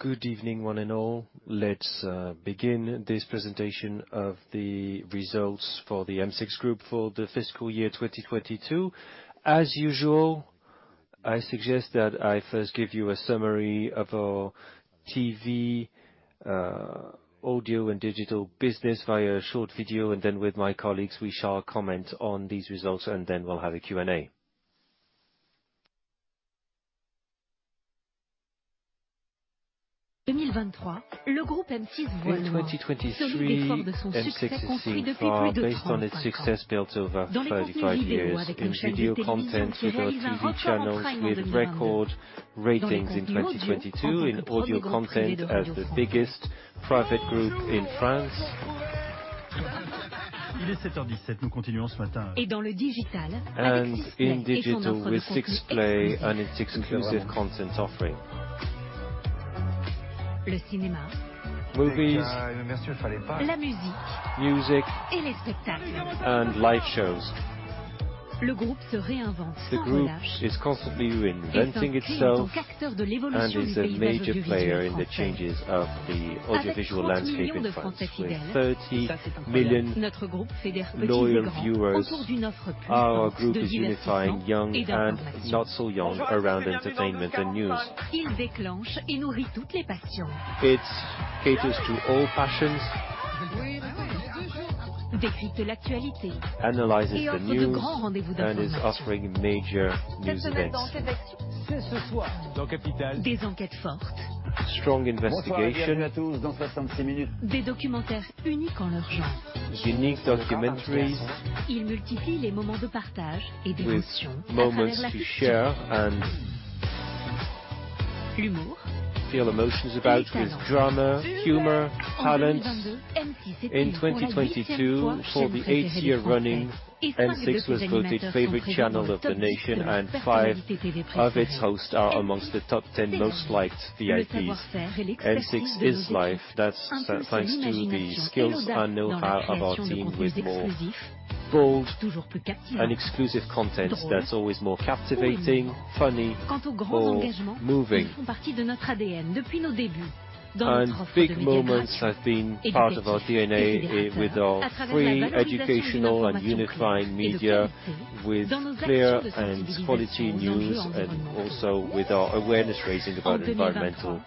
Good evening, one and all. Let's begin this presentation of the results for the M6 Group for the fiscal year 2022. As usual, I suggest that I first give you a summary of our TV, audio and digital business via a short video, then with my colleagues, we shall comment on these results, then we'll have a Q&A. In 2023, M6 is seeing far based on its success built over 35 years. In video content with our TV channels with record ratings in 2022. In audio content as the biggest private group in France. In digital with 6play and its exclusive content offering. Movies, music, and live shows. The group is constantly reinventing itself and is a major player in the changes of the audiovisual landscape in France. With 30 million loyal viewers, our group is unifying young and not so young around entertainment and news. It caters to all passions. Analyzes the news and is offering major news events. Strong investigation, unique documentaries with moments to share and... feel emotions about with drama, humor, talent. In 2022, for the 8th year running, M6 was voted favorite channel of the nation, and 5 of its hosts are amongst the top 10 most liked VIPs. M6 is life. That's thanks to the skills and know-how of our team with more bold and exclusive content that's always more captivating, funny or moving. Big moments have been part of our DNA with our free educational and unifying media, with clear and quality news, and also with our awareness-raising about environmental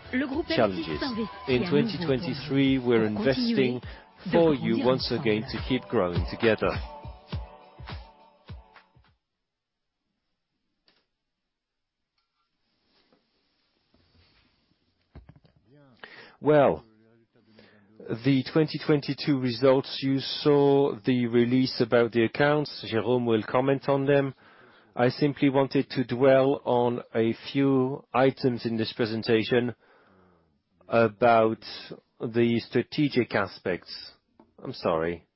challenges. In 2023, we're investing for you once again to keep growing together. Well, the 2022 results, you saw the release about the accounts. Jérôme will comment on them. I simply wanted to dwell on a few items in this presentation about the strategic aspects. I'm sorry.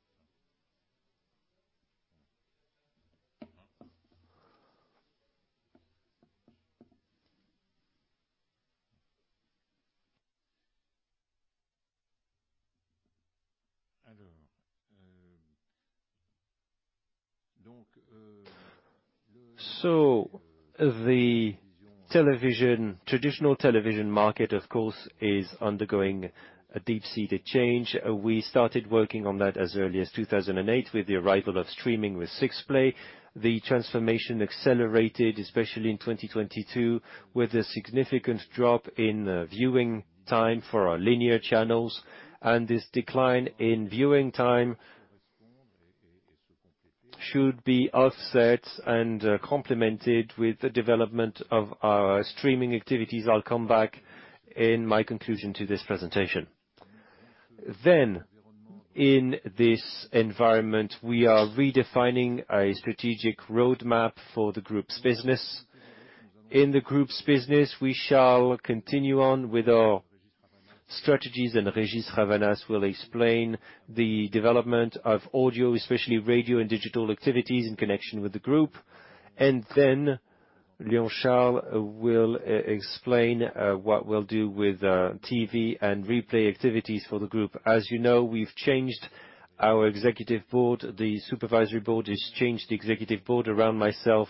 The traditional television market, of course, is undergoing a deep-seated change. We started working on that as early as 2008 with the arrival of streaming with 6play. The transformation accelerated, especially in 2022, with a significant drop in viewing time for our linear channels. This decline in viewing time should be offset and complemented with the development of our streaming activities. I'll come back in my conclusion to this presentation. In this environment, we are redefining a strategic roadmap for the group's business. In the group's business, we shall continue on with our strategies. Régis Ravanas will explain the development of audio, especially radio and digital activities in connection with the group. Guillaume Charles will explain what we'll do with TV and replay activities for the group. As you know, we've changed our executive board. The supervisory board has changed the executive board around myself.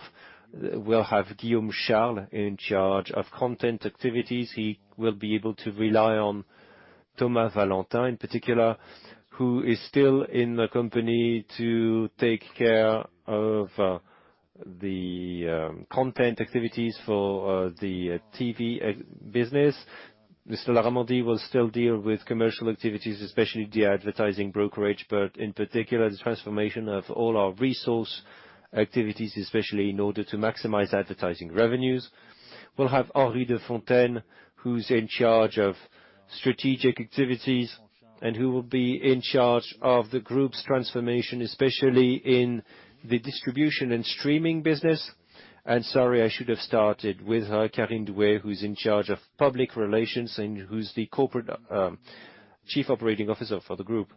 We'll have Guillaume Charles in charge of content activities. He will be able to rely on Thomas Valentin, in particular, who is still in the company to take care of the content activities for the TV e-business. Mr. Larramendy will still deal with commercial activities, especially the advertising brokerage, but in particular, the transformation of all our resource activities, especially in order to maximize advertising revenues. We'll have Henri de Fontaines, who's in charge of strategic activities and who will be in charge of the group's transformation, especially in the distribution and streaming business. Sorry, I should have started with Karine Blouët, who's in charge of public relations and who's the corporate Chief Operating Officer for the group.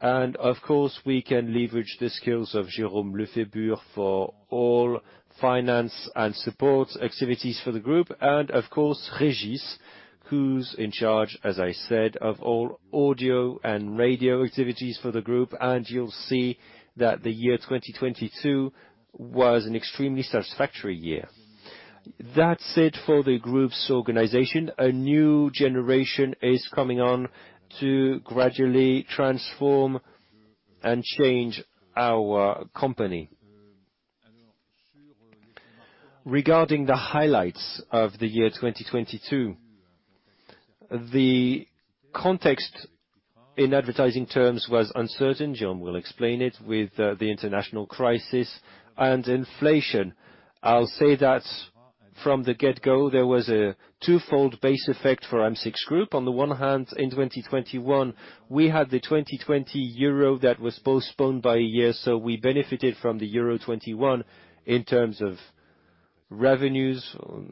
Of course, we can leverage the skills of Jérôme Lefébure for all finance and support activities for the group. Of course, Régis, who's in charge, as I said, of all audio and radio activities for the group. You'll see that the year 2022 was an extremely satisfactory year. That's it for the group's organization. A new generation is coming on to gradually transform and change our company. Regarding the highlights of the year 2022, the context in advertising terms was uncertain. Jérôme will explain it with the international crisis and inflation. I'll say that from the get-go, there was a two-fold base effect for M6 Group. On the one hand, in 2021, we had the 2020 Euro that was postponed by a year, we benefited from the Euro 2021 in terms of revenues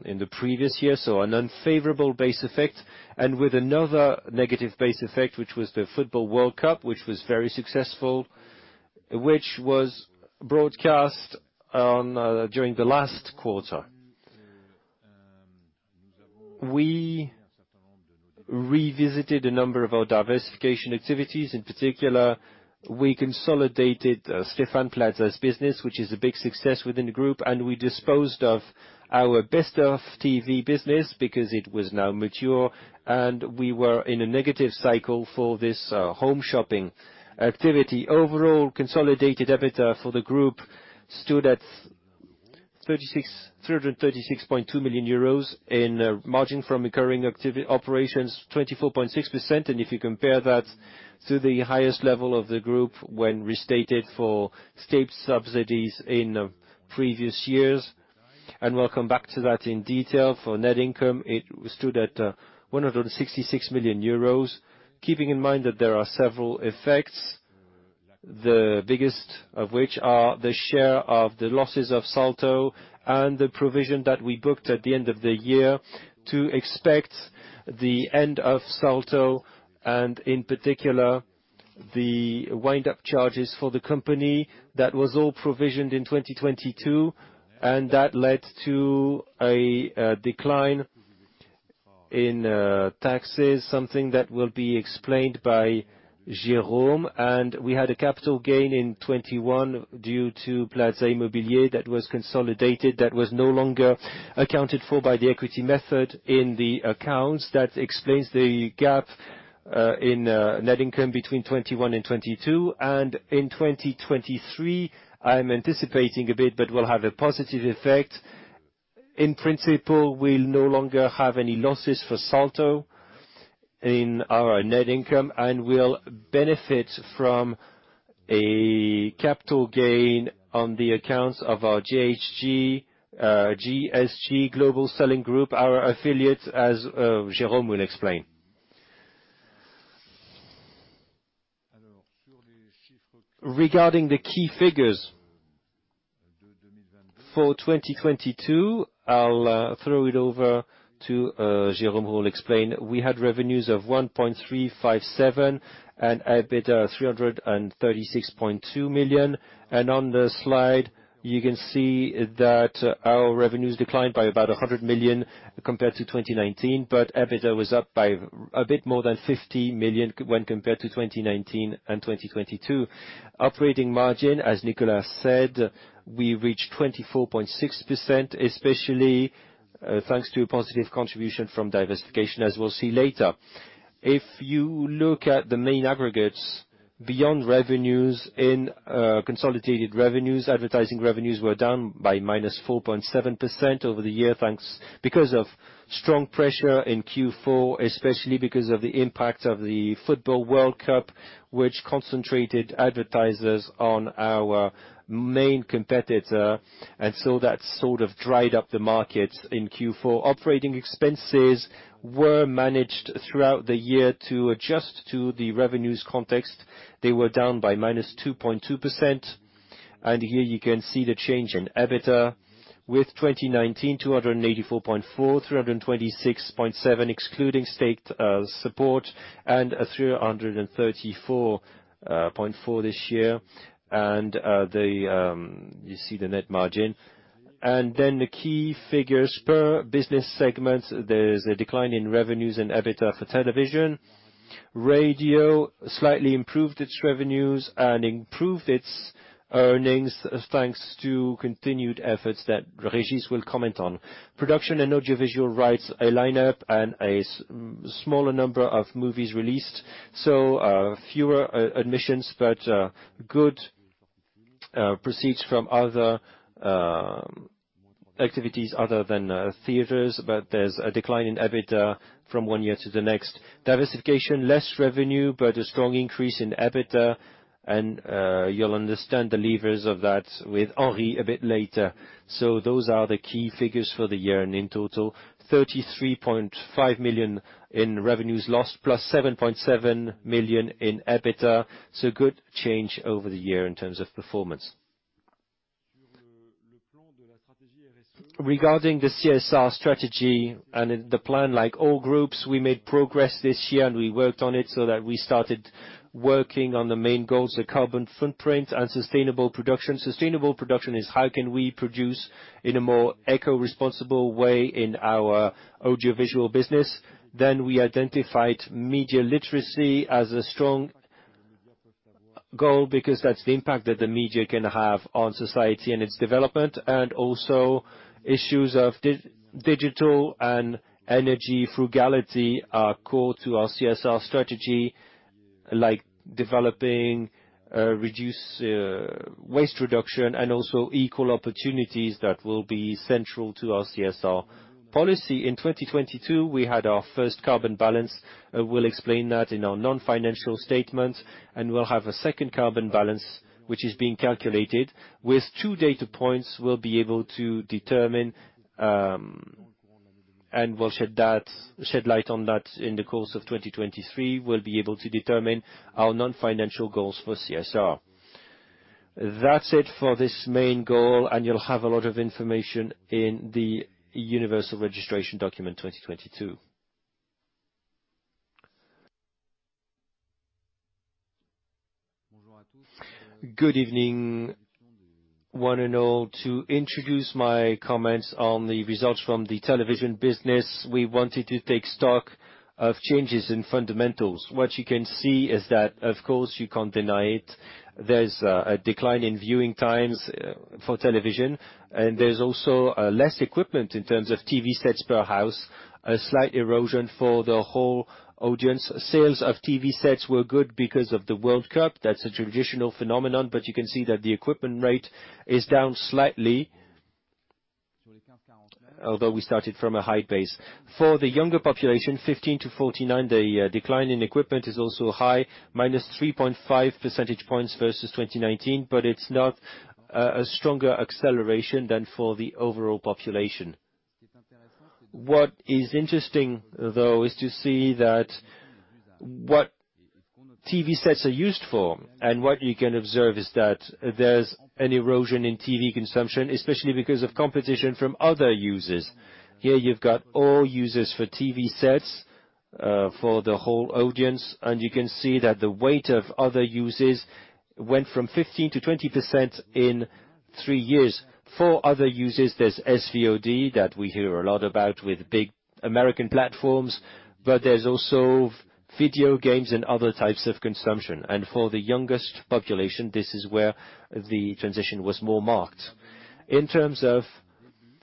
in the previous year, an unfavorable base effect. With another negative base effect, which was the FIFA World Cup, which was very successful, which was broadcast on during the last quarter. We revisited a number of our diversification activities. In particular, we consolidated Stéphane Plaza's business, which is a big success within the group, we disposed of our Best of TV business because it was now mature, we were in a negative cycle for this home shopping activity. Overall, consolidated EBITDA for the group stood at 336.2 million euros in margin from occurring operations 24.6%. If you compare that to the highest level of the group when restated for state subsidies in previous years, we'll come back to that in detail. For net income, it stood at 166 million euros. Keeping in mind that there are several effects, the biggest of which are the share of the losses of Salto and the provision that we booked at the end of the year to expect the end of Salto and in particular, the wind up charges for the company. That was all provisioned in 2022, that led to a decline in taxes, something that will be explained by Jérôme. We had a capital gain in 2021 due to Plaza Immobilier that was consolidated, that was no longer accounted for by the equity method in the accounts. That explains the gap in net income between 2021 and 2022. In 2023, I'm anticipating a bit, but we'll have a positive effect. In principle, we'll no longer have any losses for Salto in our net income, and we'll benefit from a capital gain on the accounts of our GSG, Global Savings Group, our affiliates, as Jérôme will explain. Regarding The key figures for 2022, I'll throw it over to Jérôme, who will explain. We had revenues of 1.357 and EBITDA 336.2 million. On the slide you can see that our revenues declined by about 100 million compared to 2019, but EBITDA was up by a bit more than 50 million when compared to 2019 and 2022. Operating margin, as Nicolas said, we reached 24.6%, especially thanks to positive contribution from diversification, as we'll see later. If you look at the main aggregates beyond revenues in consolidated revenues, advertising revenues were down by -4.7% over the year because of strong pressure in Q4, especially because of the impact of the FIFA World Cup, which concentrated advertisers on our main competitor. That sort of dried up the markets in Q4. Operating expenses were managed throughout the year to adjust to the revenues context. They were down by -2.2%. Here you can see the change in EBITDA with 2019 284.4, 326.7, excluding state support, and 334.4 this year. You see the net margin. The key figures per business segment. There's a decline in revenues and EBITDA for television. Radio slightly improved its revenues and improved its earnings, thanks to continued efforts that Régis will comment on. Production and audiovisual rights line up and a smaller number of movies released. Fewer admissions, but good proceeds from other activities other than theaters. There's a decline in EBITDA from one year to the next. Diversification, less revenue, but a strong increase in EBITDA. You'll understand the levers of that with Henri a bit later. Those are the key figures for the year. In total, 33.5 million in revenues lost plus 7.7 million in EBITDA. Good change over the year in terms of performance. Regarding the CSR strategy in the plan, like all groups, we made progress this year. We worked on it so that we started working on the main goals, the carbon footprint and sustainable production. Sustainable production is how can we produce in a more eco-responsible way in our audiovisual business. We identified media literacy as a strong goal because that's the impact that the media can have on society and its development. Issues of digital and energy frugality are core to our CSR strategy, like developing, reduce, waste reduction and also equal opportunities that will be central to our CSR policy. In 2022, we had our first carbon balance. We'll explain that in our non-financial statement, we'll have a second carbon balance, which is being calculated. With 2 data points, we'll be able to determine, and we'll shed light on that in the course of 2023. We'll be able to determine our non-financial goals for CSR. That's it for this main goal, you'll have a lot of information in the universal registration document 2022. Good evening, one and all. To introduce my comments on the results from the television business, we wanted to take stock of changes in fundamentals. What you can see is that, of course, you can't deny it, there's a decline in viewing times for television, there's also less equipment in terms of TV sets per house, a slight erosion for the whole audience. Sales of TV sets were good because of the World Cup. That's a traditional phenomenon, but you can see that the equipment rate is down slightly. We started from a high base. For the younger population, 15-49, the decline in equipment is also high, -3.5 percentage points versus 2019, but it's not a stronger acceleration than for the overall population. What is interesting, though, is to see that what TV sets are used for, and what you can observe is that there's an erosion in TV consumption, especially because of competition from other users. Here you've got all users for TV sets, for the whole audience, and you can see that the weight of other users went from 15%-20% in 3 years. Four other users, there's SVOD that we hear a lot about with big American platforms, but there's also video games and other types of consumption. For the youngest population, this is where the transition was more marked. In terms of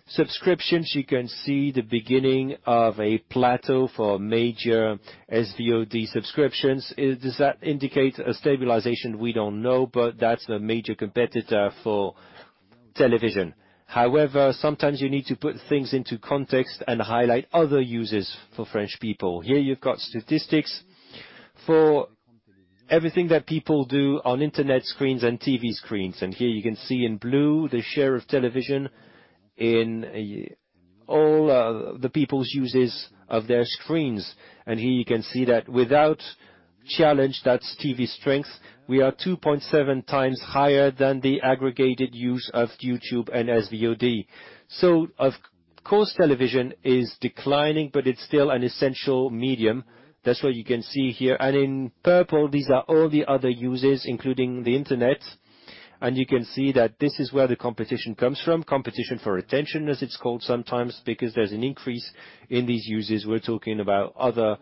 subscriptions, you can see the beginning of a plateau for major SVOD subscriptions. Does that indicate a stabilization? We don't know, but that's a major competitor for television. However, sometimes you need to put things into context and highlight other users for French people. Here you've got statistics for everything that people do on internet screens and TV screens. Here you can see in blue the share of television in the people's users of their screens. Here you can see that without challenge, that's TV's strength. We are 2.7 times higher than the aggregated use of YouTube and SVOD. Of course, television is declining, but it's still an essential medium. That's what you can see here. In purple, these are all the other users, including the Internet. You can see that this is where the competition comes from, competition for attention, as it's called sometimes, because there's an increase in these users. We're talking about other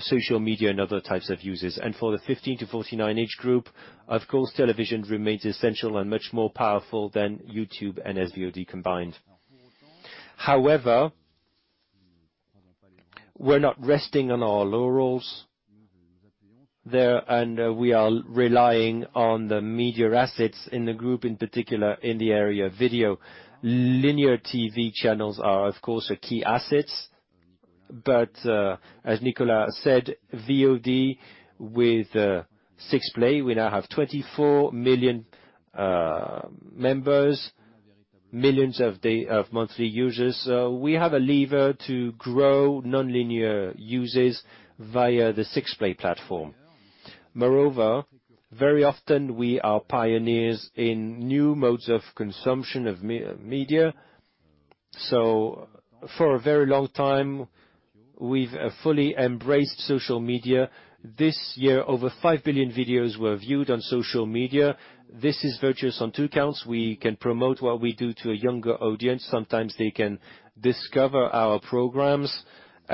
social media and other types of users. For the 15 to 49 age group, of course, television remains essential and much more powerful than YouTube and SVOD combined. However, we're not resting on our laurels there, and we are relying on the media assets in the group, in particular in the area of video. Linear TV channels are, of course, key assets, but as Nicolas said, VOD with 6play, we now have 24 million members, millions of monthly users. We have a lever to grow nonlinear users via the 6play platform. Very often we are pioneers in new modes of consumption of m-media. For a very long time, we've fully embraced social media. This year, over 5 billion videos were viewed on social media. This is virtuous on two counts. We can promote what we do to a younger audience. Sometimes they can discover our programs.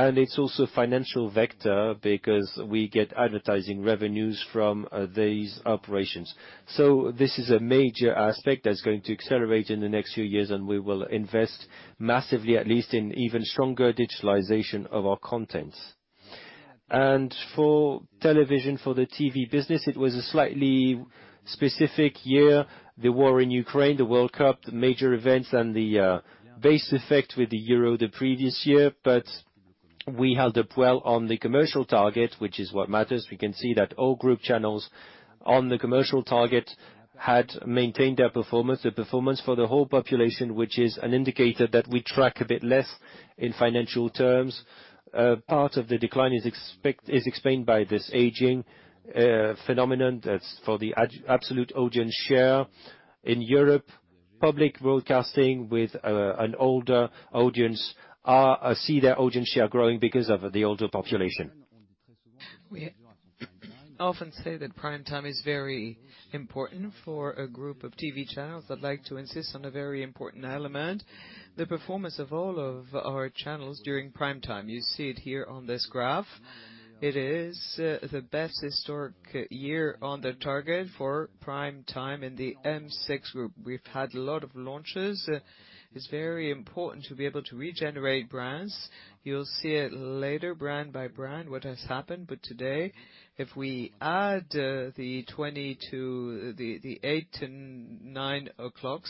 It's also financial vector because we get advertising revenues from these operations. This is a major aspect that's going to accelerate in the next few years, and we will invest massively, at least in even stronger digitalization of our contents. For television, for the TV business, it was a slightly specific year. The war in Ukraine, the World Cup, the major events and the base effect with the Euro the previous year. We held up well on the commercial target, which is what matters. We can see that all group channels on the commercial target had maintained their performance. The performance for the whole population, which is an indicator that we track a bit less in financial terms. part of the decline is explained by this aging phenomenon. That's for the ad-absolute audience share. In Europe, public broadcasting with an older audience are see their audience share growing because of the older population. We often say that prime time is very important for a group of TV channels. I'd like to insist on a very important element, the performance of all of our channels during prime time. You see it here on this graph. It is the best historic year on the target for prime time in the M6 Group. We've had a lot of launches. It's very important to be able to regenerate brands. You'll see it later brand by brand, what has happened. Today, if we add the 8 and 9 o'clock,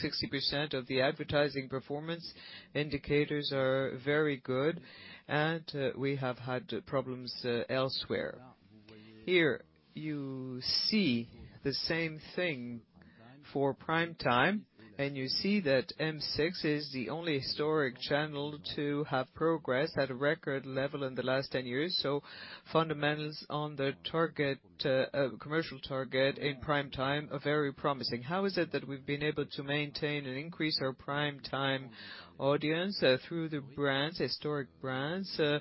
60% of the advertising performance indicators are very good, and we have had problems elsewhere. Here you see the same thing for prime time, you see that M6 is the only historic channel to have progress at a record level in the last 10 years. Fundamentals on the target, commercial target in prime time are very promising. How is it that we've been able to maintain and increase our prime time audience? Through the brands, historic brands, a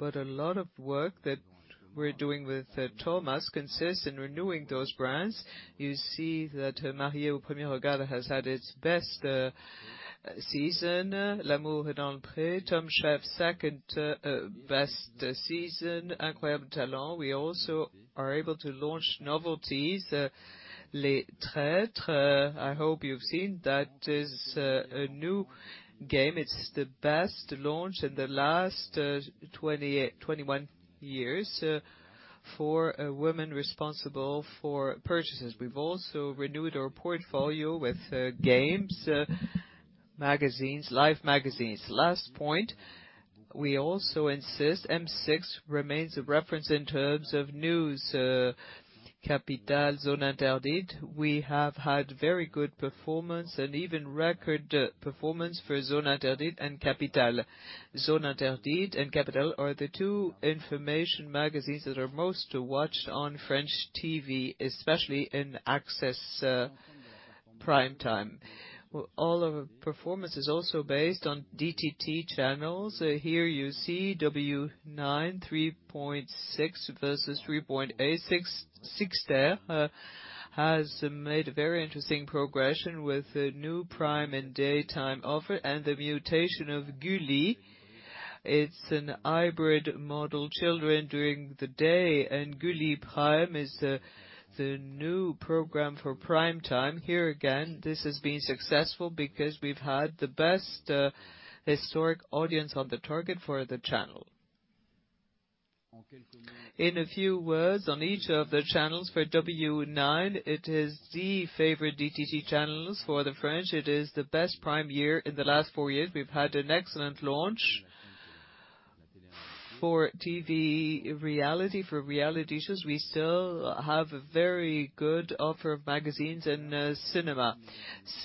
lot of work that we're doing with Thomas consists in renewing those brands. You see that Mariés au premier regard has had its best season. L'amour est dans le pré, Top Chef, second best season. Incroyable Talent. We also are able to launch novelties. Les Traîtres, I hope you've seen, that is a new game. It's the best launch in the last 20, 21 years for women responsible for purchases. We've also renewed our portfolio with games, magazines, life magazines. Last point, we also insist M6 remains a reference in terms of news. Capital, Zone Interdite, we have had very good performance and even record performance for Zone Interdite and Capital. Zone Interdite and Capital are the two information magazines that are most watched on French TV, especially in access, prime time. All of our performance is also based on DTT channels. Here you see W9, 3.6 versus 3.8. 6ter has made a very interesting progression with a new prime and daytime offer and the mutation of Gulli. It's an hybrid model. Children during the day and Gulli Prime is the new program for prime time. Here again, this has been successful because we've had the best historic audience on the target for the channel. In a few words, on each of the channels, for W9, it is the favorite DTT channels for the French. It is the best prime year in the last four years. We've had an excellent launch. For TV reality, for reality shows, we still have a very good offer of magazines and cinema.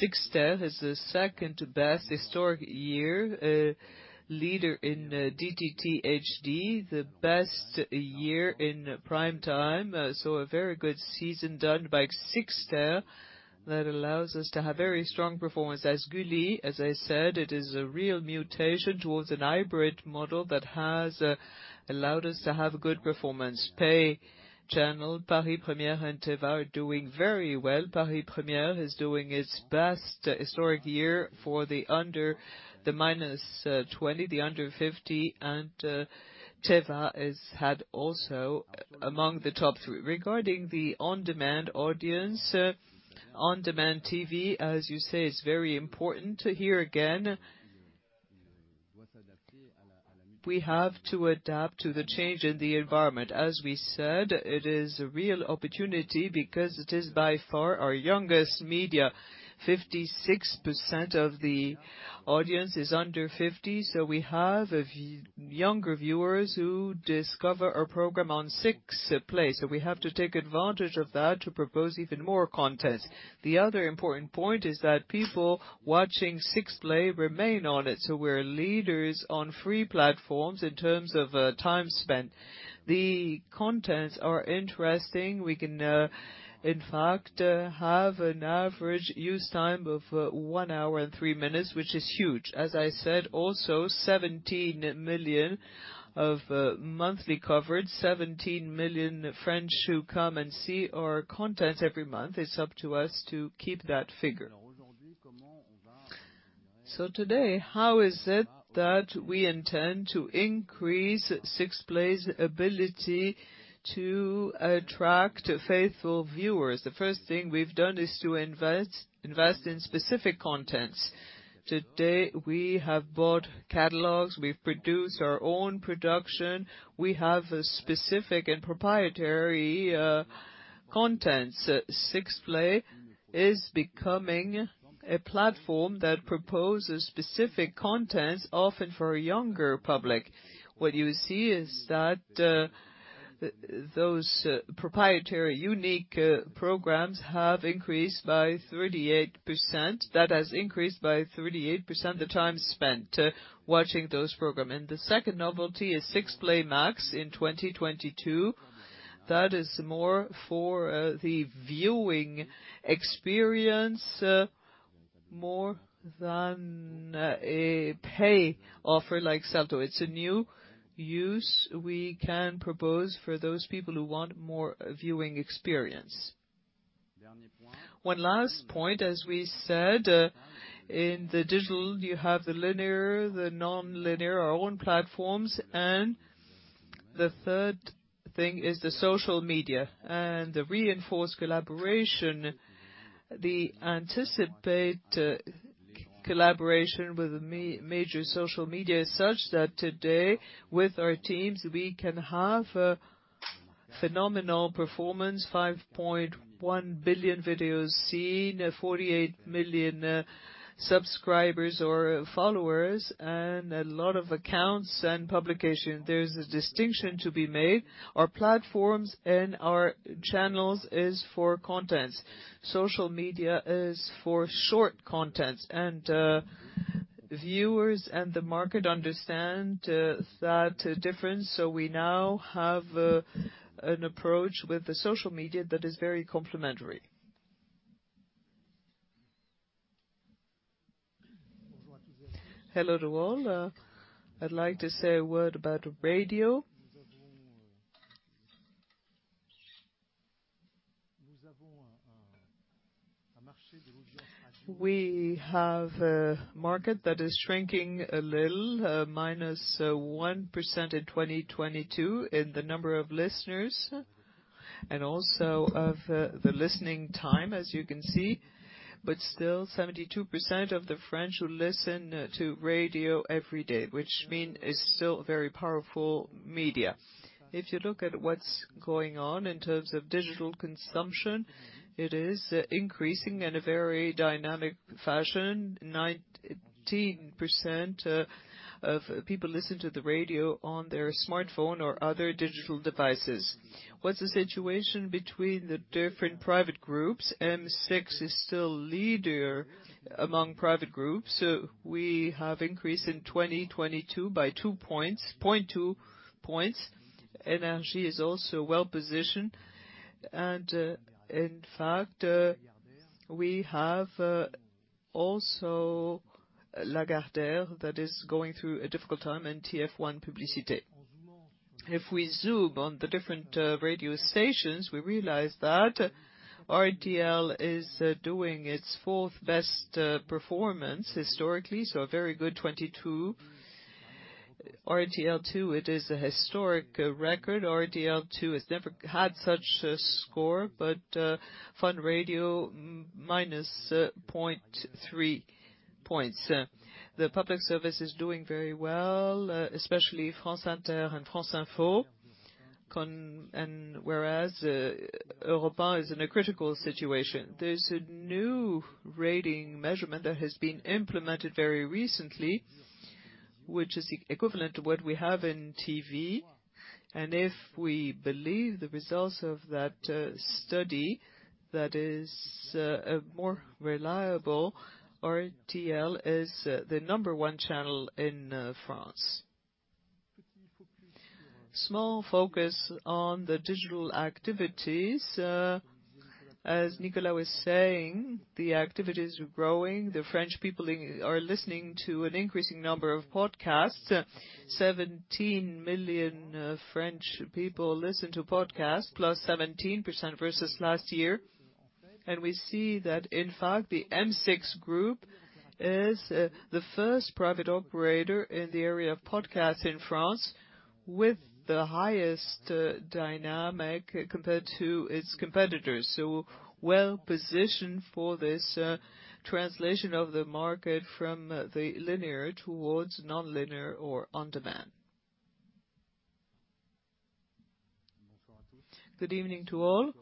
6ter is the second-best historic year, leader in DTT HD, the best year in prime time. A very good season done by 6ter that allows us to have very strong performance. Gulli, as I said, it is a real mutation towards an hybrid model that has allowed us to have a good performance. Pay channel Paris Première and Téva are doing very well. Paris Première is doing its best historic year for the minus 20, the under 50, and Téva has had also among the top 3. Regarding the on-demand audience, on-demand TV, as you say, is very important. Here again, we have to adapt to the change in the environment. We said, it is a real opportunity because it is by far our youngest media. 56% of the audience is under 50. We have younger viewers who discover our program on 6play. We have to take advantage of that to propose even more content. The other important point is that people watching 6play remain on it. We're leaders on free platforms in terms of time spent. The contents are interesting. We can, in fact, have an average use time of 1 hour and 3 minutes, which is huge. As I said, also 17 million of monthly coverage, 17 million French who come and see our content every month. It's up to us to keep that figure. Today, how is it that we intend to increase 6play's ability to attract faithful viewers? The first thing we've done is to invest in specific contents. Today, we have bought catalogs. We've produced our own production. We have a specific and proprietary content. 6play is becoming a platform that proposes specific contents, often for a younger public. What you see is that those proprietary unique programs have increased by 38%. That has increased by 38% the time spent watching those program. The second novelty is 6play Max in 2022. That is more for the viewing experience, more than a pay offer like Salto. It's a new use we can propose for those people who want more viewing experience. One last point. As we said, in the digital, you have the linear, the nonlinear, our own platforms, and the third thing is the social media and the reinforced collaboration. The anticipate collaboration with the major social media is such that today, with our teams, we can have a phenomenal performance, 5.1 billion videos seen, 48 million subscribers or followers and a lot of accounts and publication. There's a distinction to be made. Our platforms and our channels is for contents. Social media is for short contents. Viewers and the market understand that difference. We now have an approach with the social media that is very complementary. Hello to all. I'd like to say a word about radio. We have a market that is shrinking a little, -1% in 2022 in the number of listeners and also of the listening time, as you can see. Still, 72% of the French listen to radio every day, which mean it's still very powerful media. If you look at what's going on in terms of digital consumption, it is increasing in a very dynamic fashion. 19% of people listen to the radio on their smartphone or other digital devices. What's the situation between the different private groups? M6 is still leader among private groups. We have increased in 2022 by 2 points, 0.2 points. NRJ is also well-positioned. In fact, we have also Lagardère that is going through a difficult time and TF1 Publicité. If we zoom on the different radio stations, we realize that RTL is doing its fourth best performance historically, so a very good 2022. RTL2, it is a historic record. RTL2 has never had such a score, Fun Radio, minus 0.3 points. The public service is doing very well, especially France Inter and France Info. Whereas, Europe 1 is in a critical situation. There's a new rating measurement that has been implemented very recently, which is equivalent to what we have in TV. If we believe the results of that study that is more reliable, RTL is the number 1 channel in France. Small focus on the digital activities. As Nicolas was saying, the activities are growing. The French people are listening to an increasing number of podcasts. 17 million French people listen to podcasts, +17% versus last year. We see that, in fact, the M6 Group is the 1st private operator in the area of podcasts in France with the highest dynamic compared to its competitors, so well-positioned for this translation of the market from the linear towards nonlinear or on-demand. Good evening to all.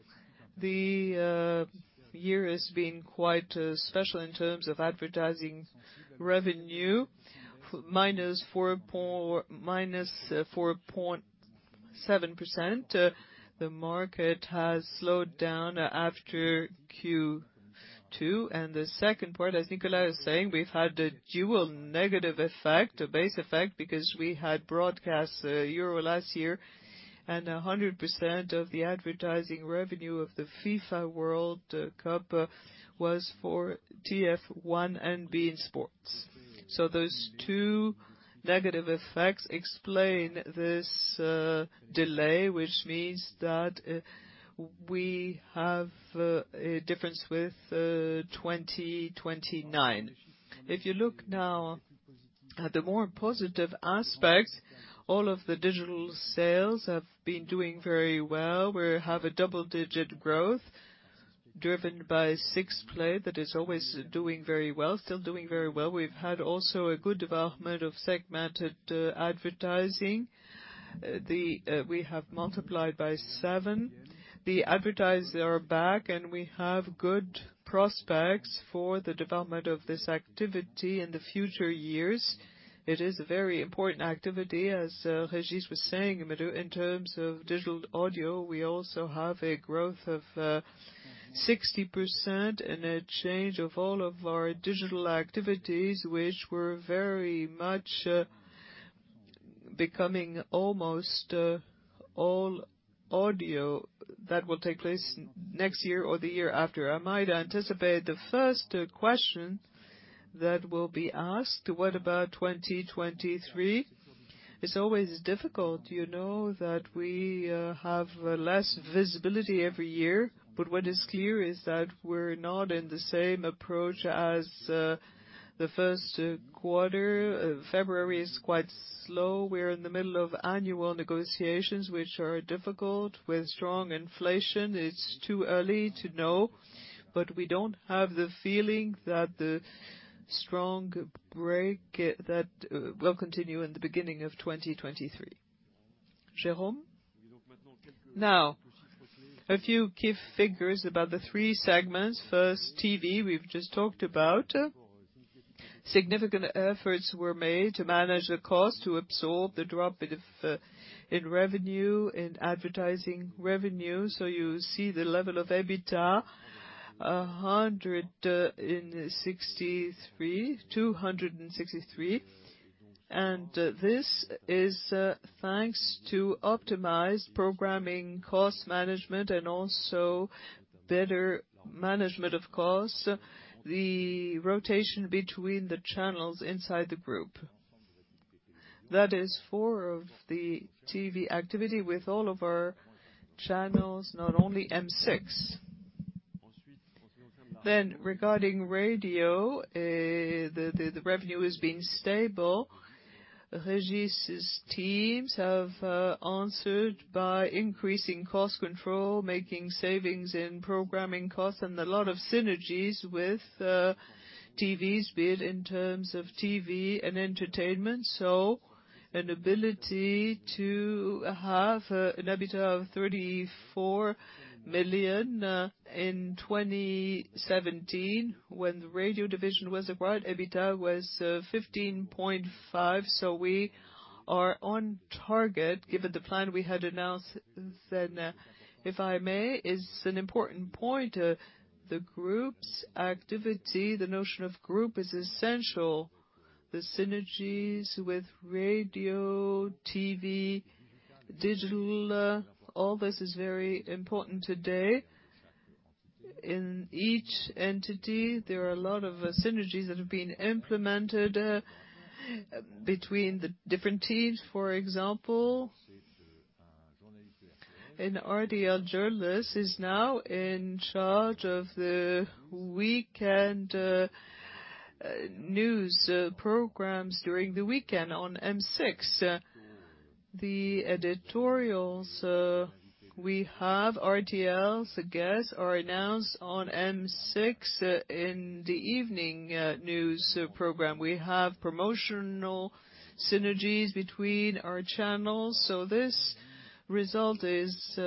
The year has been quite special in terms of advertising revenue, minus 4.7%. The market has slowed down after Q2. The second part, as Nicolas was saying, we've had a dual negative effect, a base effect, because we had broadcast Euro last year and 100% of the advertising revenue of the FIFA World Cup was for TF1 and beIN SPORTS. Those two negative effects explain this delay, which means that we have a difference with 2029. If you look now at the more positive aspects, all of the digital sales have been doing very well. We have a double-digit growth driven by 6play that is always doing very well, still doing very well. We've had also a good development of segmented advertising. The, we have multiplied by 7. The advertisers are back, and we have good prospects for the development of this activity in the future years. It is a very important activity, as Régis was saying. In terms of digital audio, we also have a growth of 60% and a change of all of our digital activities, which were very much becoming almost all audio. That will take place next year or the year after. I might anticipate the first question that will be asked. What about 2023? It's always difficult, you know, that we have less visibility every year. What is clear is that we're not in the same approach as the first quarter. February is quite slow. We're in the middle of annual negotiations, which are difficult with strong inflation. It's too early to know, but we don't have the feeling that the strong break that will continue in the beginning of 2023.Jérôme? Now, a few key figures about the three segments. First, TV, we've just talked about. Significant efforts were made to manage the cost, to absorb the drop in revenue, in advertising revenue. You see the level of EBITDA, 163, 263. This is thanks to optimized programming cost management and also better management of costs, the rotation between the channels inside the group. That is for of the TV activity with all of our channels, not only M6. Regarding radio, the revenue has been stable. Régis' teams have answered by increasing cost control, making savings in programming costs, and a lot of synergies with TV's bid in terms of TV and entertainment. An ability to have an EBITDA of 34 million. In 2017, when the radio division was acquired, EBITDA was 15.5 million. We are on target given the plan we had announced then. If I may, it's an important point, the group's activity, the notion of group is essential. The synergies with radio, TV, digital, all this is very important today. In each entity, there are a lot of synergies that have been implemented between the different teams. For example, an RTL journalist is now in charge of the weekend news programs during the weekend on M6. The editorials, we have RTL's guests are announced on M6 in the evening news program. We have promotional synergies between our channels. This result is,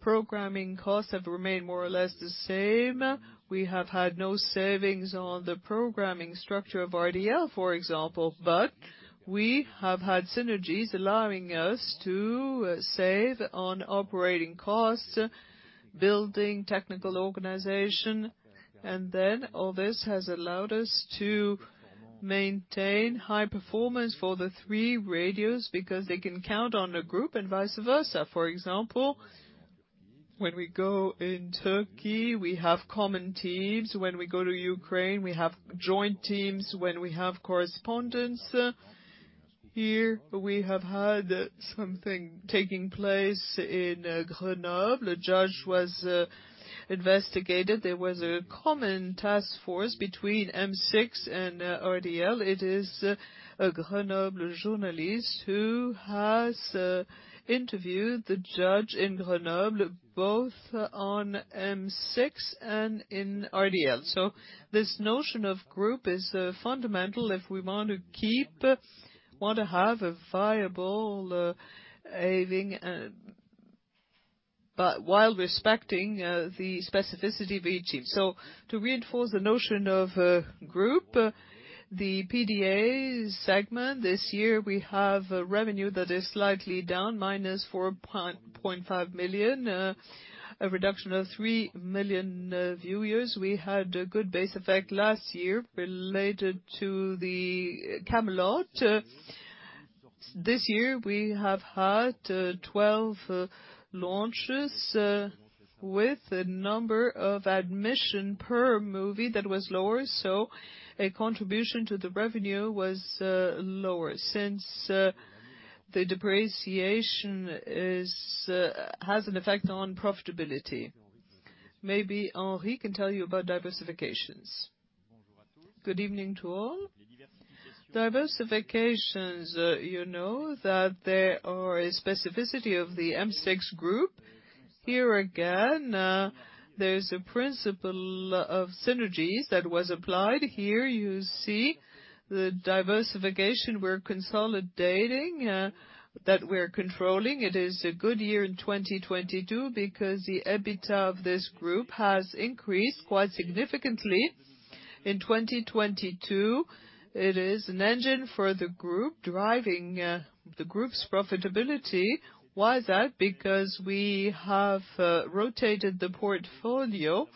programming costs have remained more or less the same. We have had no savings on the programming structure of RTL, for example, but we have had synergies allowing us to save on operating costs, building technical organization. All this has allowed us to maintain high performance for the three radios because they can count on a group and vice versa. For example, when we go in Turkey, we have common teams. When we go to Ukraine, we have joint teams. When we have correspondents here, we have had something taking place in Grenoble. A judge was investigated. There was a common task force between M6 and RTL. It is a Grenoble journalist who has interviewed the judge in Grenoble, both on M6 and in RTL. This notion of group is fundamental if we want to have a viable aiming, but while respecting the specificity of each team. To reinforce the notion of a group, the PDA segment this year, we have a revenue that is slightly down, - 4.5 million, a reduction of 3 million viewers. We had a good base effect last year related to the Kaamelott. This year, we have had 12 launches, with a number of admission per movie that was lower, so a contribution to the revenue was lower since the depreciation is has an effect on profitability. Maybe Henri can tell you about diversifications. Good evening to all. Diversifications, you know that they are a specificity of the M6 Group. Here again, there's a principle of synergies that was applied. Here you see the diversification we're consolidating, that we're controlling. It is a good year in 2022 because the EBITDA of this group has increased quite significantly. In 2022, it is an engine for the group driving the group's profitability. Why is that? Because we have rotated the portfolio.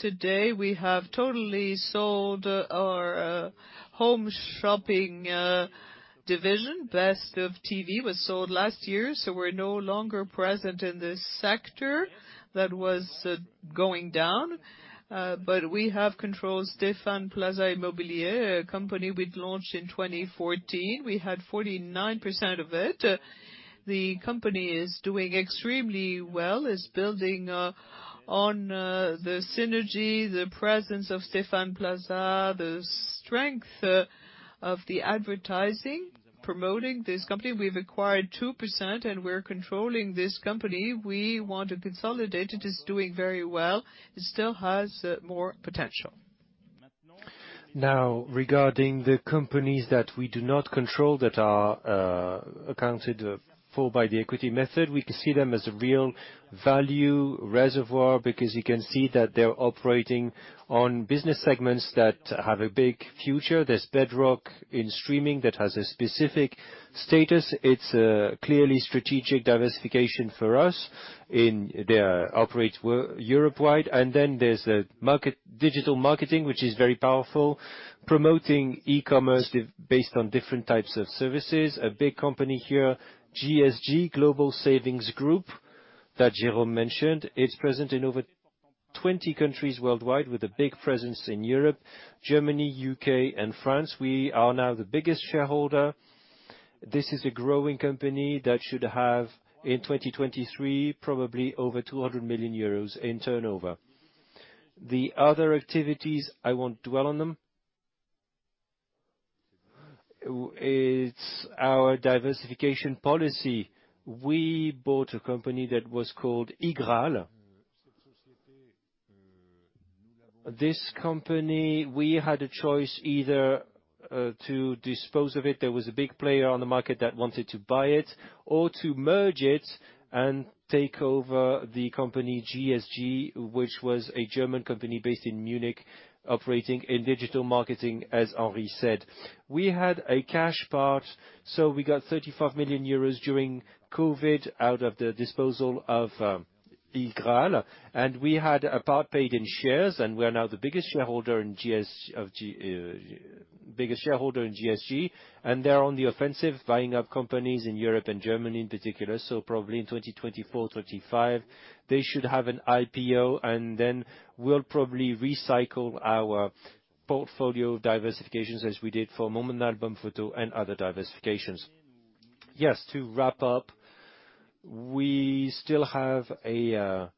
Today, we have totally sold our home shopping division. Best of TV was sold last year, so we're no longer present in this sector that was going down. We have controlled Stéphane Plaza Immobilier, a company we'd launched in 2014. We had 49% of it. The company is doing extremely well. It's building, on, the synergy, the presence of Stéphane Plaza, the strength. Of the advertising promoting this company, we've acquired 2% and we're controlling this company. We want to consolidate. It is doing very well, it still has more potential. Regarding the companies that we do not control, that are accounted for by the equity method, we can see them as a real value reservoir because you can see that they're operating on business segments that have a big future. There's Bedrock in streaming that has a specific status. It's clearly strategic diversification for us in Europe-wide. There's market, digital marketing, which is very powerful, promoting e-commerce based on different types of services. A big company here, GSG, Global Savings Group, that Jerome mentioned. It's present in over 20 countries worldwide with a big presence in Europe, Germany, UK, and France. We are now the biggest shareholder. This is a growing company that should have, in 2023, probably over 200 million euros in turnover. The other activities, I won't dwell on them. It's our diversification policy. We bought a company that was called iGraal. This company, we had a choice either to dispose of it, there was a big player on the market that wanted to buy it, or to merge it and take over the company GSG, which was a German company based in Munich, operating in digital marketing, as Henri said. We had a cash part, so we got 35 million euros during COVID out of the disposal of iGraal. We had a part paid in shares, and we are now the biggest shareholder in GSG, and they're on the offensive buying up companies in Europe and Germany in particular. Probably in 2024, 2035, they should have an IPO, and then we'll probably recycle our portfolio diversifications as we did for monAlbumPhoto and other diversifications. To wrap up, we still have a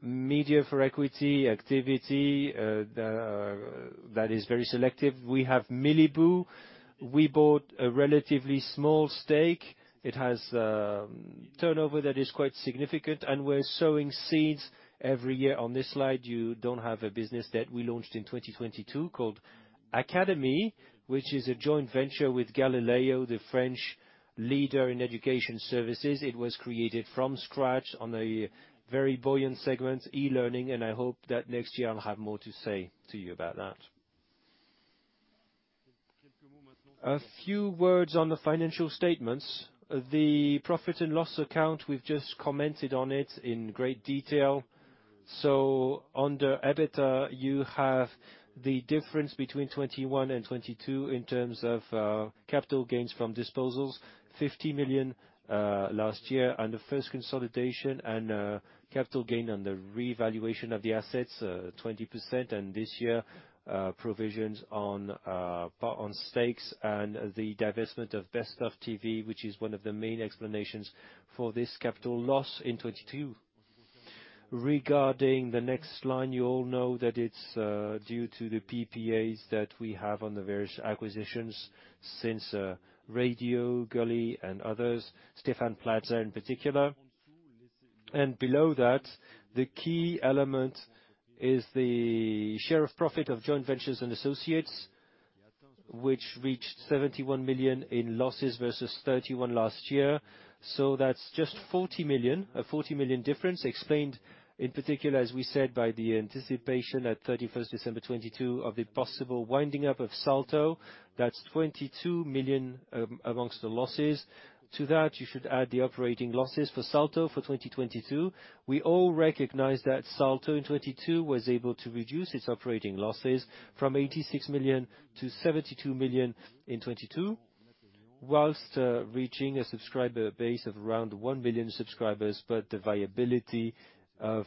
media for equity activity that is very selective. We have Miliboo. Miliboo, a relatively small stake. It has turnover that is quite significant, and we're sowing seeds every year. On this slide, you don't have a business that we launched in 2022 called Academy, which is a joint venture with Galileo, the French leader in education services. It was created from scratch on a very buoyant segment, e-learning, and I hope that next year I'll have more to say to you about that. A few words on the financial statements. The profit and loss account, we've just commented on it in great detail. Under EBITDA, you have the difference between 2021 and 2022 in terms of capital gains from disposals, 50 million last year, and the first consolidation and capital gain on the revaluation of the assets, 20%. This year, provisions on part on stakes and the divestment of Best of TV, which is one of the main explanations for this capital loss in 2022. Regarding the next line, you all know that it's due to the PPAs that we have on the various acquisitions since RTL, Gulli, and others, Stéphane Plaza in particular. Below that, the key element is the share of profit of joint ventures and associates, which reached 71 million in losses versus 31 million last year. That's just 40 million, a 40 million difference explained, in particular, as we said, by the anticipation at December 31, 2022, of the possible winding up of Salto. That's 22 million amongst the losses. To that, you should add the operating losses for Salto for 2022. We all recognize that Salto, in 2022, was able to reduce its operating losses from 86 million to 72 million in 2022, whilst reaching a subscriber base of around 1 billion subscribers, but the viability of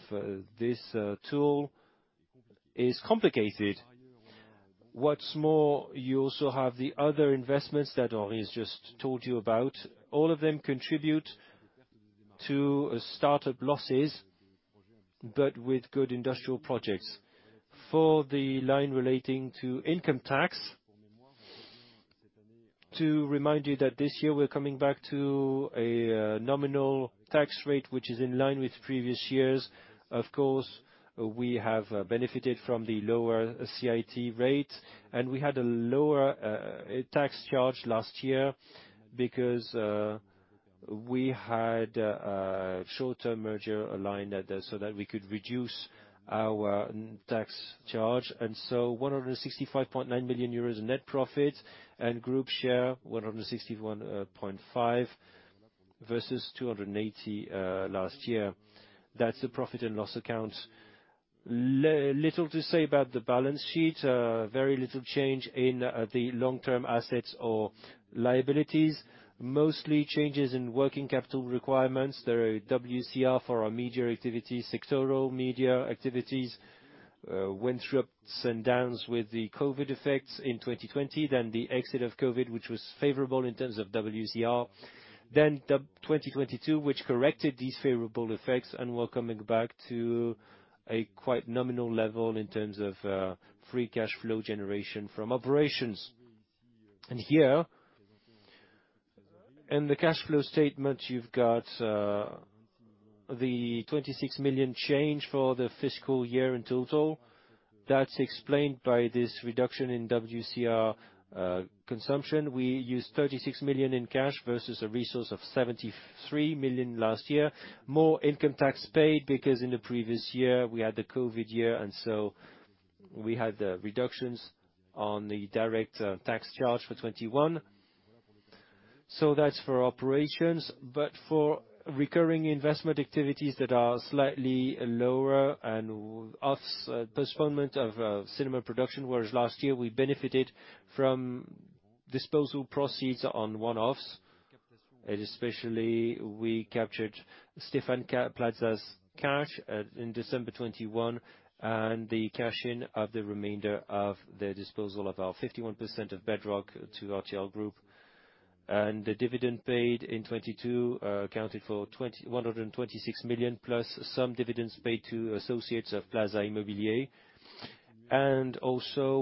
this tool is complicated. What's more, you also have the other investments that Henri has just told you about. All of them contribute to startup losses, but with good industrial projects. For the line relating to income tax, to remind you that this year we're coming back to a nominal tax rate, which is in line with previous years. Of course, we have benefited from the lower CIT rate. We had a lower tax charge last year because we had a short-term merger aligned so that we could reduce our tax charge. 165.9 million euros net profit and group share 161.5 million versus 280 million last year. That's the profit and loss account. Little to say about the balance sheet. Very little change in the long-term assets or liabilities. Mostly changes in working capital requirements. The WCR for our media activities, sectoral media activities, went through ups and downs with the COVID effects in 2020. The exit of COVID, which was favorable in terms of WCR. 2022, which corrected these favorable effects, and we're coming back to a quite nominal level in terms of free cash flow generation from operations. In the cash flow statement, you've got the 26 million change for the fiscal year in total. That's explained by this reduction in WCR consumption. We used 36 million in cash versus a resource of 73 million last year. More income tax paid because in the previous year, we had the COVID year, and so we had the reductions on the direct tax charge for 2021. That's for operations, but for recurring investment activities that are slightly lower and offs, postponement of cinema production, whereas last year we benefited from disposal proceeds on one-offs, and especially we captured Stéphane Plaza's cash in December 2021 and the cash-in of the remainder of the disposal of our 51% of Bedrock to RTL Group. The dividend paid in 2022 accounted for 126 million plus some dividends paid to associates of Plaza Immobilier.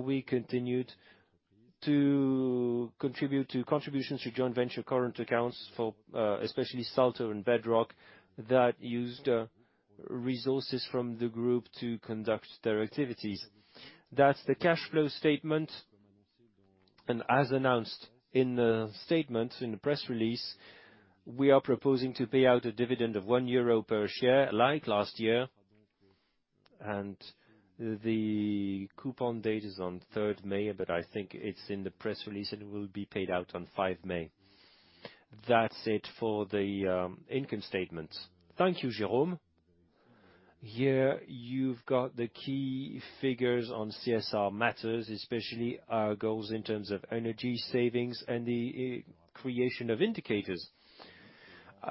We continued to contribute to contributions to joint venture current accounts for especially Salto and Bedrock that used resources from the group to conduct their activities. That's the cash flow statement. As announced in the statement in the press release, we are proposing to pay out a dividend of 1 euro per share like last year. The coupon date is on 3rd May, but I think it's in the press release and will be paid out on 5th May. That's it for the income statement. Thank you, Jérôme. Here you've got the key figures on CSR matters, especially our goals in terms of energy savings and the creation of indicators.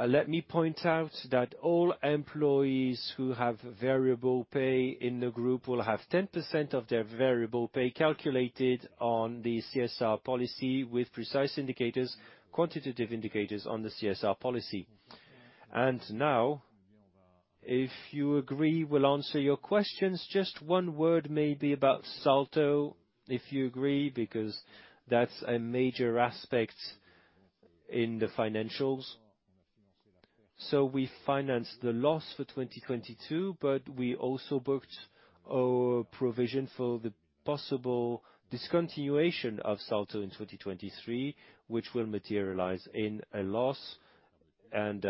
Let me point out that all employees who have variable pay in the group will have 10% of their variable pay calculated on the CSR policy with precise indicators, quantitative indicators on the CSR policy. Now, if you agree, we'll answer your questions. Just one word maybe about Salto, if you agree, because that's a major aspect in the financials. We financed the loss for 2022, but we also booked our provision for the possible discontinuation of Salto in 2023, which will materialize in a loss and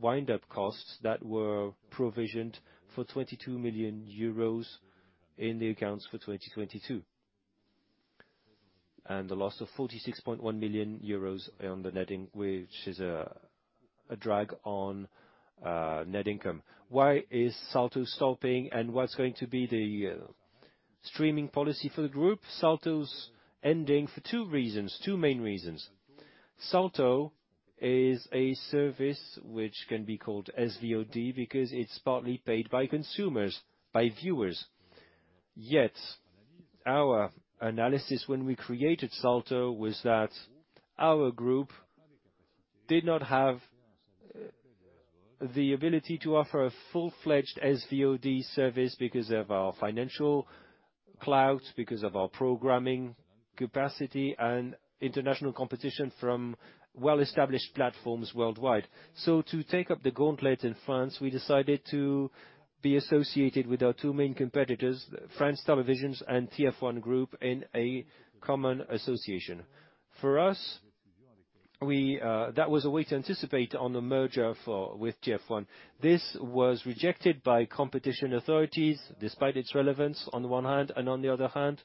wind-up costs that were provisioned for 22 million euros in the accounts for 2022. The loss of 46.1 million euros on the netting, which is a drag on net income. Why is Salto stopping and what's going to be the streaming policy for the group? Salto's ending for two reasons, two main reasons. Salto is a service which can be called SVOD because it's partly paid by consumers, by viewers. Our analysis when we created Salto was that our group did not have the ability to offer a full-fledged SVOD service because of our financial clouds, because of our programming capacity and international competition from well-established platforms worldwide. To take up the gauntlet in France, we decided to be associated with our two main competitors, France Télévisions and TF1 Group, in a common association. For us, we, that was a way to anticipate on the merger with TF1. This was rejected by competition authorities, despite its relevance on one hand, and on the other hand,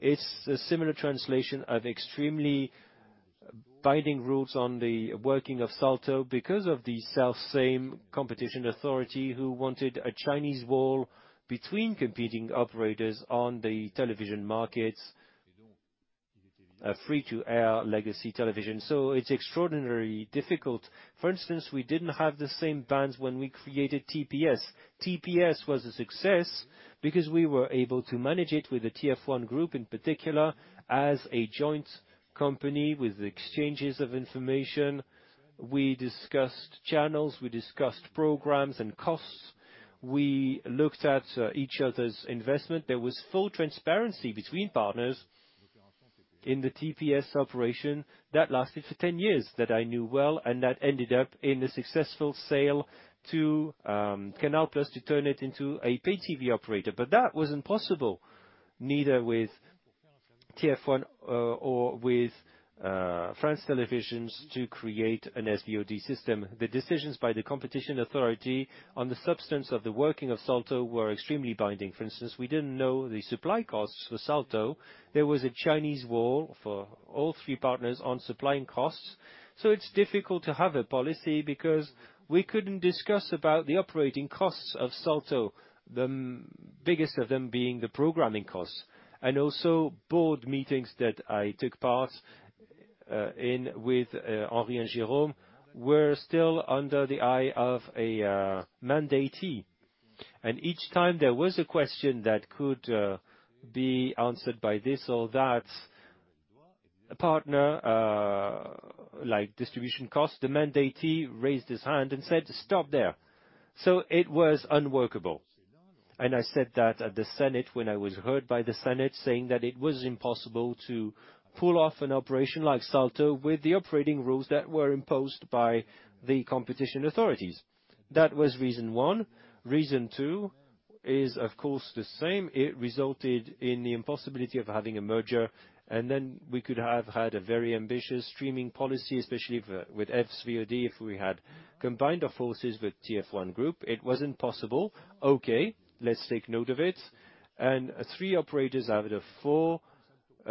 it's a similar translation of extremely binding rules on the working of Salto. Because of the self same competition authority who wanted a Chinese wall between competing operators on the television markets, free-to-air legacy television. It's extraordinarily difficult. For instance, we didn't have the same bands when we created TPS. TPS was a success because we were able to manage it with the TF1 Group in particular as a joint company with exchanges of information. We discussed channels, we discussed programs and costs. We looked at each other's investment. There was full transparency between partners in the TPS operation that lasted for 10 years, that I knew well, and that ended up in a successful sale to Canal+ to turn it into a pay TV operator. That was impossible, neither with TF1, or with France Télévisions, to create an SVOD system. The decisions by the competition authority on the substance of the working of Salto were extremely binding. For instance, we didn't know the supply costs for Salto. There was a Chinese wall for all three partners on supplying costs. It's difficult to have a policy because we couldn't discuss about the operating costs of Salto, the biggest of them being the programming costs. Also board meetings that I took part in with Henri and Jérôme were still under the eye of a mandatee. Each time there was a question that could be answered by this or that, a partner, like distribution cost, the mandatee raised his hand and said, "Stop there." It was unworkable. I said that at the Senate, when I was heard by the Senate, saying that it was impossible to pull off an operation like Salto with the operating rules that were imposed by the competition authorities. That was reason one. Reason two is, of course, the same. It resulted in the impossibility of having a merger, we could have had a very ambitious streaming policy, especially with SVOD, if we had combined our forces with TF1 Group. It was impossible. Okay, let's take note of it. Threfour operators out of the 4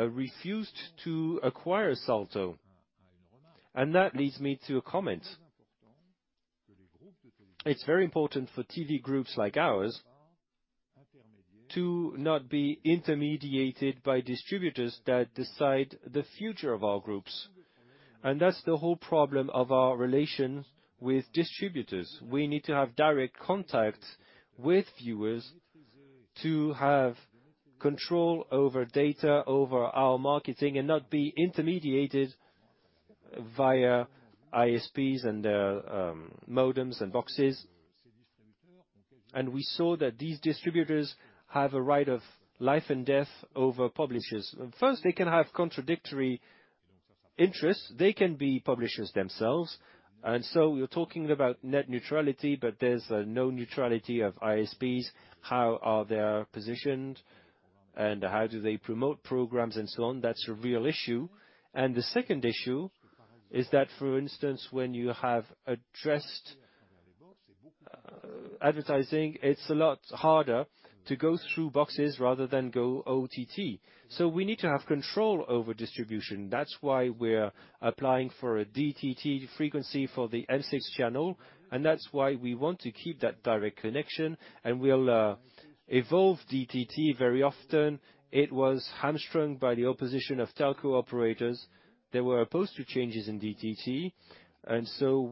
refused to acquire Salto. That leads me to a comment. It's very important for TV groups like ours to not be intermediated by distributors that decide the future of our groups. That's the whole problem of our relation with distributors. We need to have direct contact with viewers to have control over data, over our marketing, and not be intermediated via ISPs and their modems and boxes. We saw that these distributors have a right of life and death over publishers. First, they can have contradictory interests. They can be publishers themselves. You're talking about net neutrality, but there's no neutrality of ISPs, how are they are positioned and how do they promote programs and so on. That's a real issue. The second issue is that, for instance, when you have addressed advertising, it's a lot harder to go through boxes rather than go OTT. We need to have control over distribution. That's why we're applying for a DTT frequency for the M6 channel, and that's why we want to keep that direct connection. We'll evolve DTT very often. It was hamstrung by the opposition of telco operators. They were opposed to changes in DTT.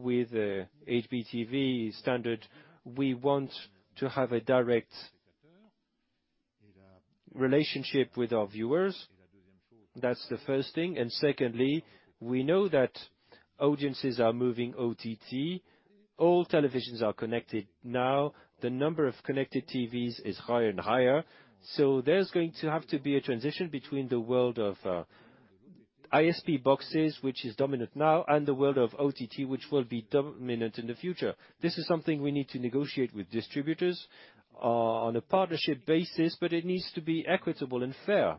With HbbTV standard, we want to have a direct relationship with our viewers. That's the first thing. Secondly, we know that audiences are moving OTT. All televisions are connected now. The number of connected TVs is higher and higher. There's going to have to be a transition between the world of ISP boxes, which is dominant now, and the world of OTT, which will be dominant in the future. This is something we need to negotiate with distributors on a partnership basis, but it needs to be equitable and fair.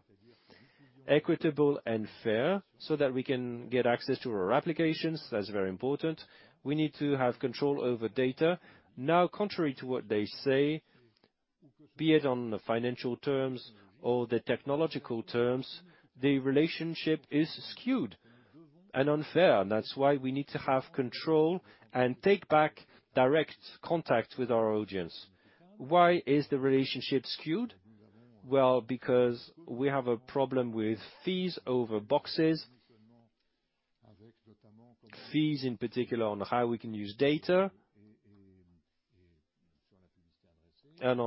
Equitable and fair so that we can get access to our applications. That's very important. We need to have control over data. Contrary to what they say, be it on the financial terms or the technological terms, the relationship is skewed and unfair. That's why we need to have control and take back direct contact with our audience. Why is the relationship skewed? Well, because we have a problem with fees over boxes, fees in particular on how we can use data. On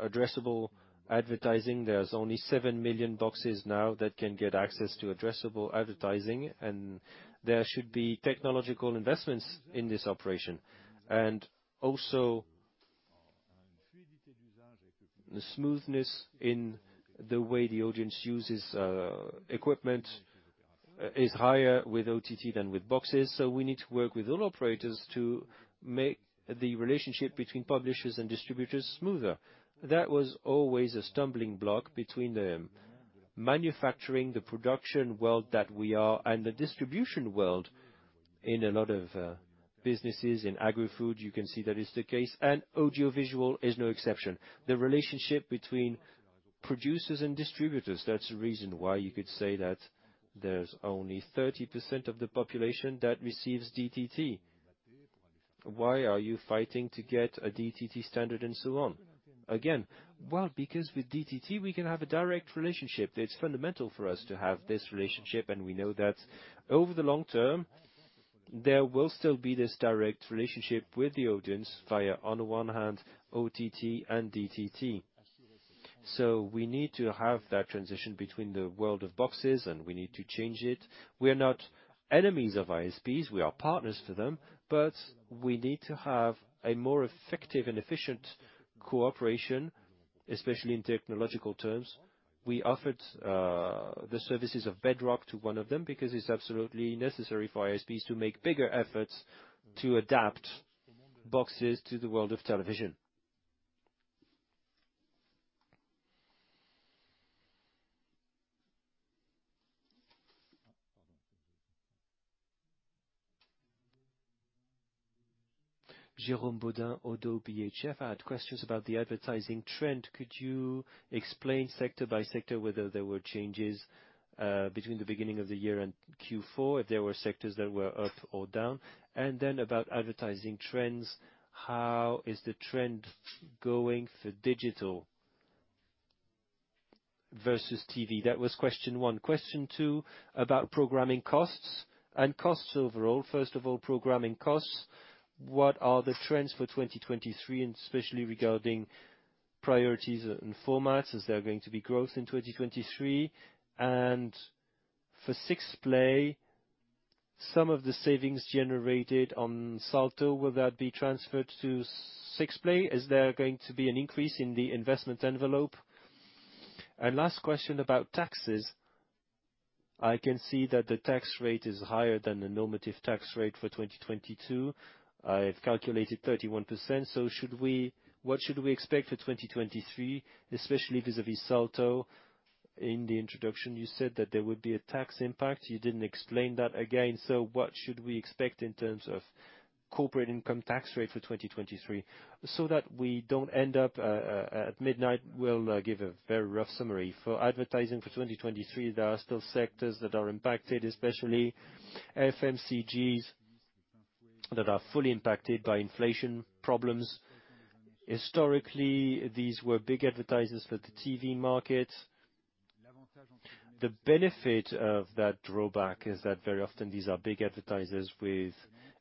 addressable advertising, there's only 7 million boxes now that can get access to addressable advertising, and there should be technological investments in this operation. The smoothness in the way the audience uses equipment is higher with OTT than with boxes. We need to work with all operators to make the relationship between publishers and distributors smoother. That was always a stumbling block between the manufacturing, the production world that we are, and the distribution world. In a lot of businesses, in agri-food, you can see that is the case, and audiovisual is no exception. The relationship between producers and distributors, that's the reason why you could say that there's only 30% of the population that receives DTT. Why are you fighting to get a DTT standard and so on? Again, well, because with DTT, we can have a direct relationship. It's fundamental for us to have this relationship. We know that over the long term, there will still be this direct relationship with the audience via, on the one hand, OTT and DTT. We need to have that transition between the world of boxes. We need to change it. We are not enemies of ISPs, we are partners for them. We need to have a more effective and efficient cooperation, especially in technological terms. We offered the services of Bedrock to one of them because it's absolutely necessary for ISPs to make bigger efforts to adapt boxes to the world of television. Jérôme Bodin, Oddo BHF. I had questions about the advertising trend. Could you explain sector by sector whether there were changes between the beginning of the year and Q4, if there were sectors that were up or down? About advertising trends, how is the trend going for digital versus TV? That was question one. Question two, about programming costs and costs overall. First of all, programming costs, what are the trends for 2023, and especially regarding priorities and formats, is there going to be growth in 2023? For 6playSome of the savings generated on Salto, will that be transferred to 6play? Is there going to be an increase in the investment envelope? Last question about taxes. I can see that the tax rate is higher than the normative tax rate for 2022. I've calculated 31%. What should we expect for 2023, especially vis-a-vis Salto? In the introduction, you said that there would be a tax impact. You didn't explain that again. What should we expect in terms of corporate income tax rate for 2023? That we don't end up at midnight, we'll give a very rough summary. For advertising for 2023, there are still sectors that are impacted, especially FMCGs that are fully impacted by inflation problems. Historically, these were big advertisers for the TV market. The benefit of that drawback is that very often these are big advertisers with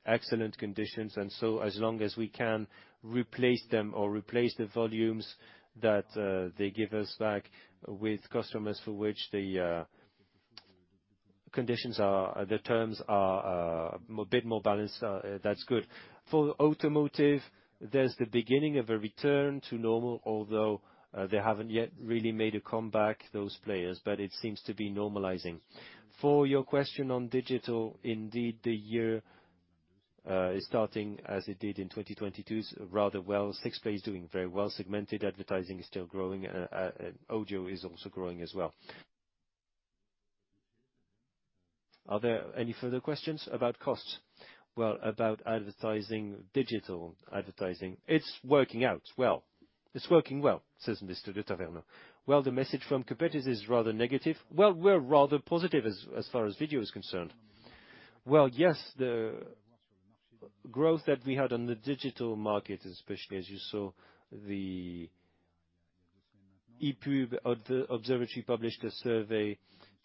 excellent conditions. As long as we can replace them or replace the volumes that they give us back with customers for which the terms are a bit more balanced, that's good. For automotive, there's the beginning of a return to normal, although they haven't yet really made a comeback, those players, but it seems to be normalizing. For your question on digital, indeed, the year is starting as it did in 2022, rather well. 6play is doing very well. Segmented advertising is still growing, audio is also growing as well. Are there any further questions about costs? Well, about advertising, digital advertising. It's working out well. It's working well, says Mr. de Tavernost. Well, the message from competitors is rather negative. Well, we're rather positive as far as video is concerned. Well, yes, the growth that we had on the digital market, especially as you saw the Observatoire de l'e-pub published a survey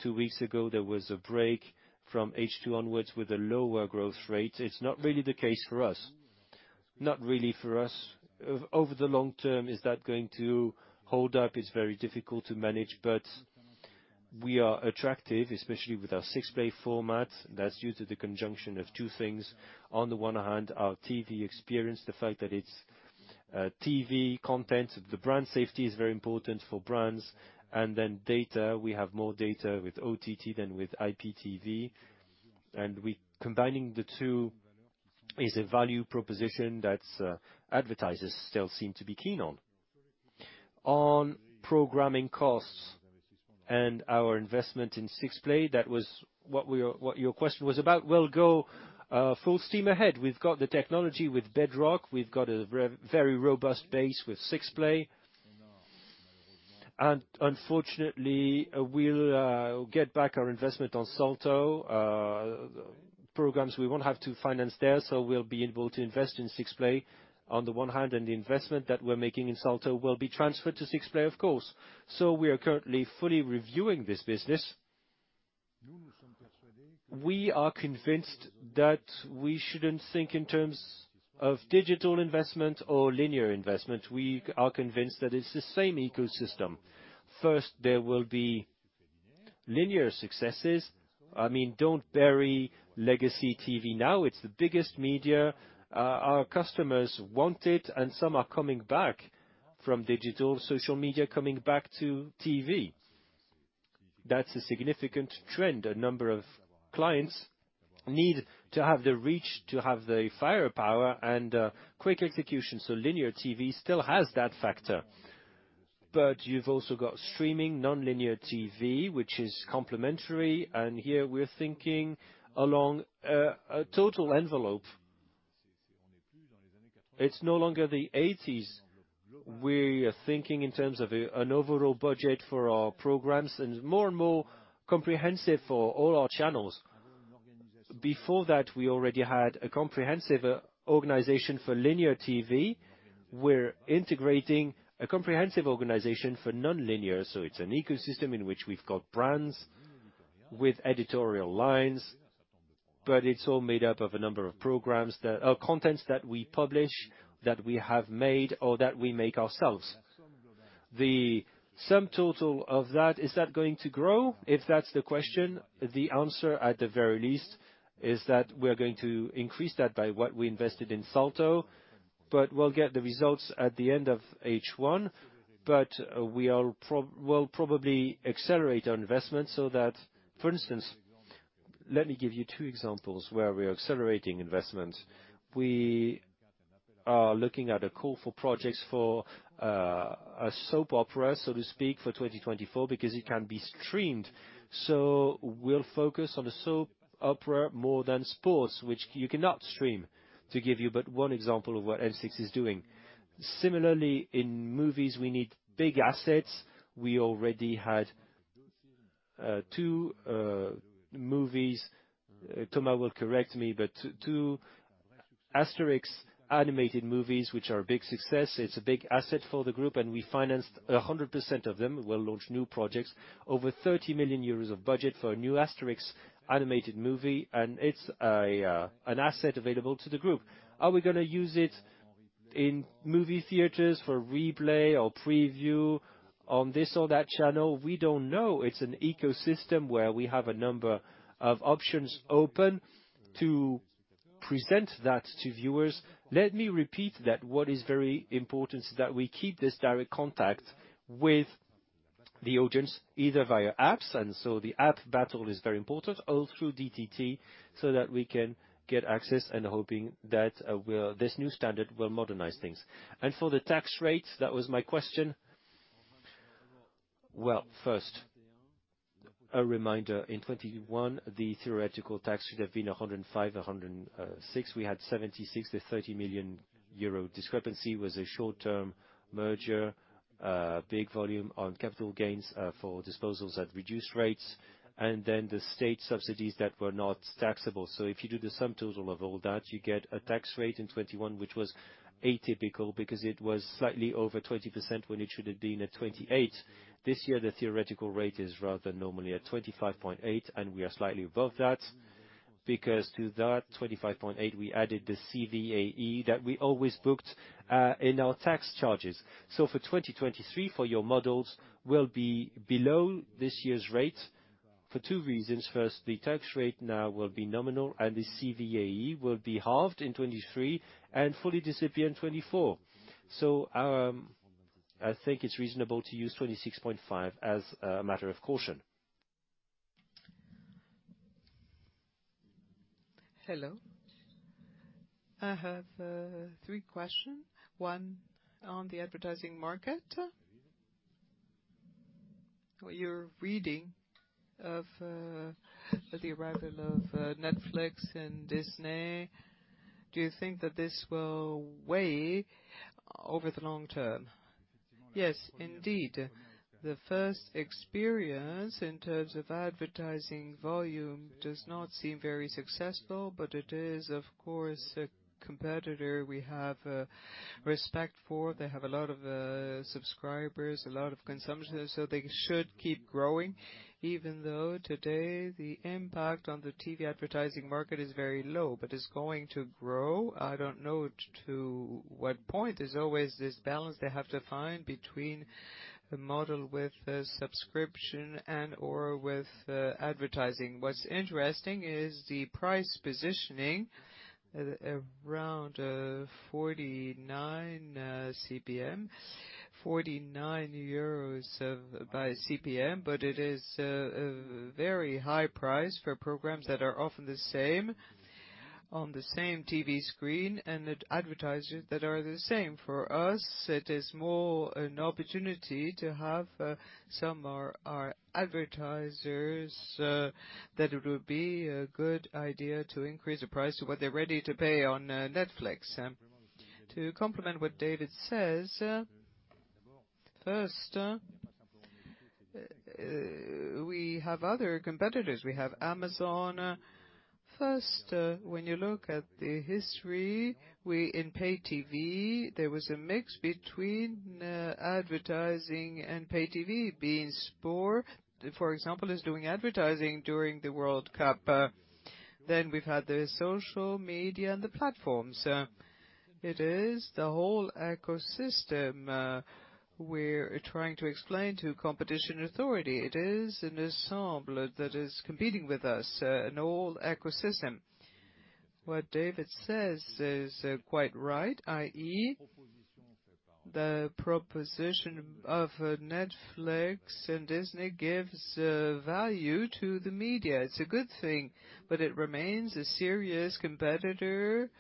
two weeks ago. There was a break from H2 onwards with a lower growth rate. It's not really the case for us. Not really for us. Over the long term, is that going to hold up? It's very difficult to manage, but we are attractive, especially with our 6play format. That's due to the conjunction of two things. On the one hand, our TV experience, the fact that it's TV content. The brand safety is very important for brands. Then data, we have more data with OTT than with IPTV. We combining the two is a value proposition that advertisers still seem to be keen on. On programming costs and our investment in 6play, that was what your question was about. We'll go full steam ahead. We've got the technology with Bedrock. We've got a very robust base with 6play. Unfortunately, we'll get back our investment on Salto. Programs, we won't have to finance there, so we'll be able to invest in 6play on the one hand, and the investment that we're making in Salto will be transferred to 6play, of course. We are currently fully reviewing this business. We are convinced that we shouldn't think in terms of digital investment or linear investment. We are convinced that it's the same ecosystem. There will be linear successes. I mean, don't bury legacy TV now. It's the biggest media. Our customers want it, and some are coming back from digital, social media, coming back to TV. That's a significant trend. A number of clients need to have the reach, to have the firepower and quick execution. Linear TV still has that factor. You've also got streaming non-linear TV, which is complementary. Here we're thinking along a total envelope. It's no longer the '80s. We are thinking in terms of an overall budget for our programs and more and more comprehensive for all our channels. Before that, we already had a comprehensive organization for linear TV. We're integrating a comprehensive organization for non-linear, it's an ecosystem in which we've got brands with editorial lines, but it's all made up of a number of contents that we publish, that we have made or that we make ourselves. The sum total of that, is that going to grow? If that's the question, the answer at the very least is that we are going to increase that by what we invested in Salto, we'll get the results at the end of H1. We'll probably accelerate our investment so that, for instance, let me give you two examples where we are accelerating investment. We are looking at a call for projects for a soap opera, so to speak, for 2024 because it can be streamed. We'll focus on a soap opera more than sports, which you cannot stream, to give you but one example of what M6 is doing. Similarly, in movies, we need big assets. We already had two movies. Thomas will correct me, but two Astérix animated movies, which are a big success. It's a big asset for the group, and we financed 100% of them. We'll launch new projects, over 30 million euros of budget for a new Astérix animated movie, and it's an asset available to the group. Are we gonna use it? In movie theaters for replay or preview on this or that channel, we don't know. It's an ecosystem where we have a number of options open to present that to viewers. Let me repeat that what is very important is that we keep this direct contact with the audience, either via apps, and so the app battle is very important, or through DTT, so that we can get access and hoping that this new standard will modernize things. For the tax rates, that was my question. First, a reminder. In 2021, the theoretical tax should have been 105, 106. We had 76. The 30 million euro discrepancy was a short-term merger, big volume on capital gains, for disposals at reduced rates, the state subsidies that were not taxable. If you do the sum total of all that, you get a tax rate in 2021, which was atypical because it was slightly over 20% when it should have been at 28. This year, the theoretical rate is rather normally at 25.8, we are slightly above that because to that 25.8, we added the CVAE that we always booked in our tax charges. For 2023, for your models, we'll be below this year's rate for two reasons. The tax rate now will be nominal, and the CVAE will be halved in 2023 and fully disappear in 2024. I think it's reasonable to use 26.5 as a matter of caution. Hello. I have 3 question. One, on the advertising market. What you're reading of, the arrival of Netflix and Disney, do you think that this will weigh over the long term? Yes, indeed. The first experience in terms of advertising volume does not seem very successful. It is, of course, a competitor we have respect for. They have a lot of subscribers, a lot of consumption, so they should keep growing even though today the impact on the TV advertising market is very low. It's going to grow. I don't know to what point. There's always this balance they have to find between a model with a subscription and/or with advertising. What's interesting is the price positioning at around 49 CPM, 49 euros by CPM. It is a very high price for programs that are often the same on the same TV screen and advertisers that are the same. For us, it is more an opportunity to have some of our advertisers that it would be a good idea to increase the price of what they're ready to pay on Netflix. To complement what David says, first, we have other competitors. We have Amazon. First, when you look at the history, in pay TV, there was a mix between advertising and pay TV. beIN SPORTS, for example, is doing advertising during the World Cup. We've had the social media and the platforms. The whole ecosystem, we're trying to explain to competition authority. An ensemble that is competing with us, an old ecosystem. What David says is quite right, i.e., the proposition of Netflix and Disney gives value to the media. It's a good thing, but it remains a serious competitor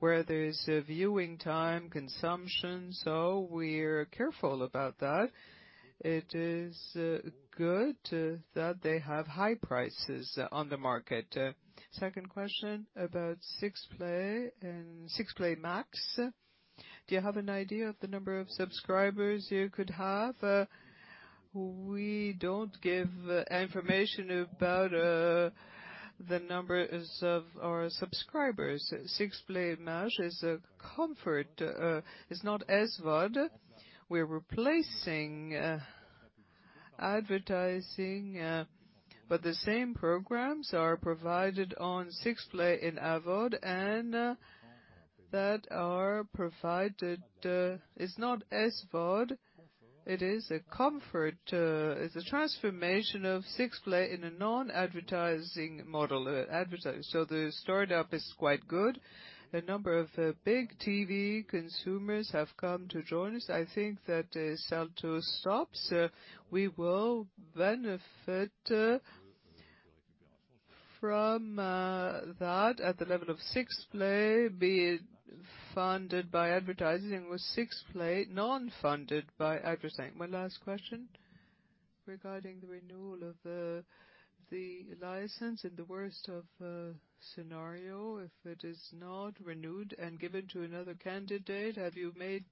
where there's a viewing time consumption, so we're careful about that. It is good that they have high prices on the market. Second question about 6play and 6play Max. Do you have an idea of the number of subscribers you could have? We don't give information about the numbers of our subscribers. 6play Max is a comfort. It's not SVOD. We're replacing advertising, but the same programs are provided on 6play in AVOD and that are provided. It's not SVOD. It is a comfort. It's a transformation of 6play in a non-advertising model. The start up is quite good. A number of big TV consumers have come to join us. I think that as Salto stops, we will benefit from that at the level of 6play be it funded by advertising with 6play, non-funded by advertising. One last question regarding the renewal of the license in the worst of scenario, if it is not renewed and given to another candidate, have you made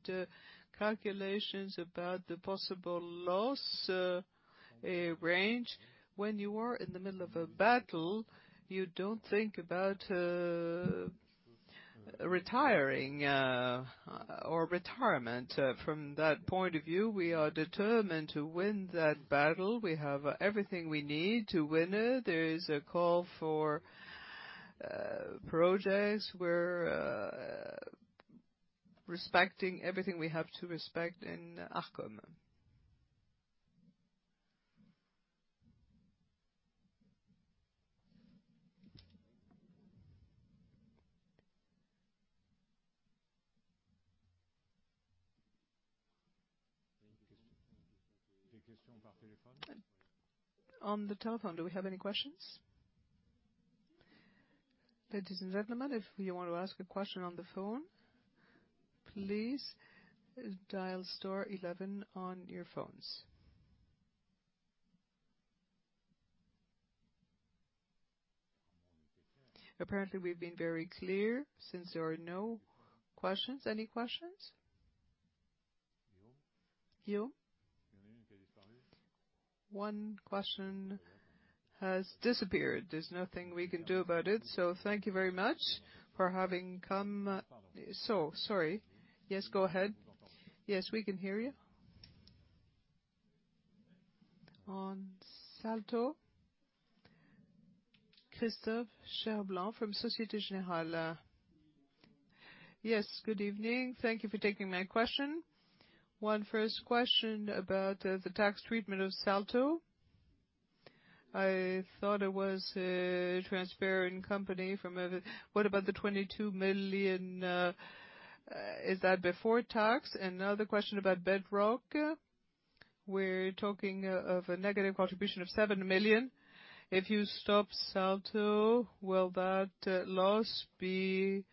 calculations about the possible loss, a range? When you are in the middle of a battle, you don't think about retiring or retirement. From that point of view, we are determined to win that battle. We have everything we need to win it. There is a call for... projects. We're respecting everything we have to respect in Arcom. On the telephone, do we have any questions? Ladies and gentlemen, if you want to ask a question on the phone, please dial star one one on your phones. Apparently, we've been very clear since there are no questions. Any questions? You. One question has disappeared. There's nothing we can do about it. Thank you very much for having come. Sorry. Yes, go ahead. Yes, we can hear you. On Salto, Christophe Cherblanc from Société Générale. Yes. Good evening. Thank you for taking my question. One first question about the tax treatment of Salto. I thought it was a transparent company from a. What about the 22 million, is that before tax? Another question about Bedrock. We're talking of a negative contribution of 7 million. If you stop Salto, will that loss be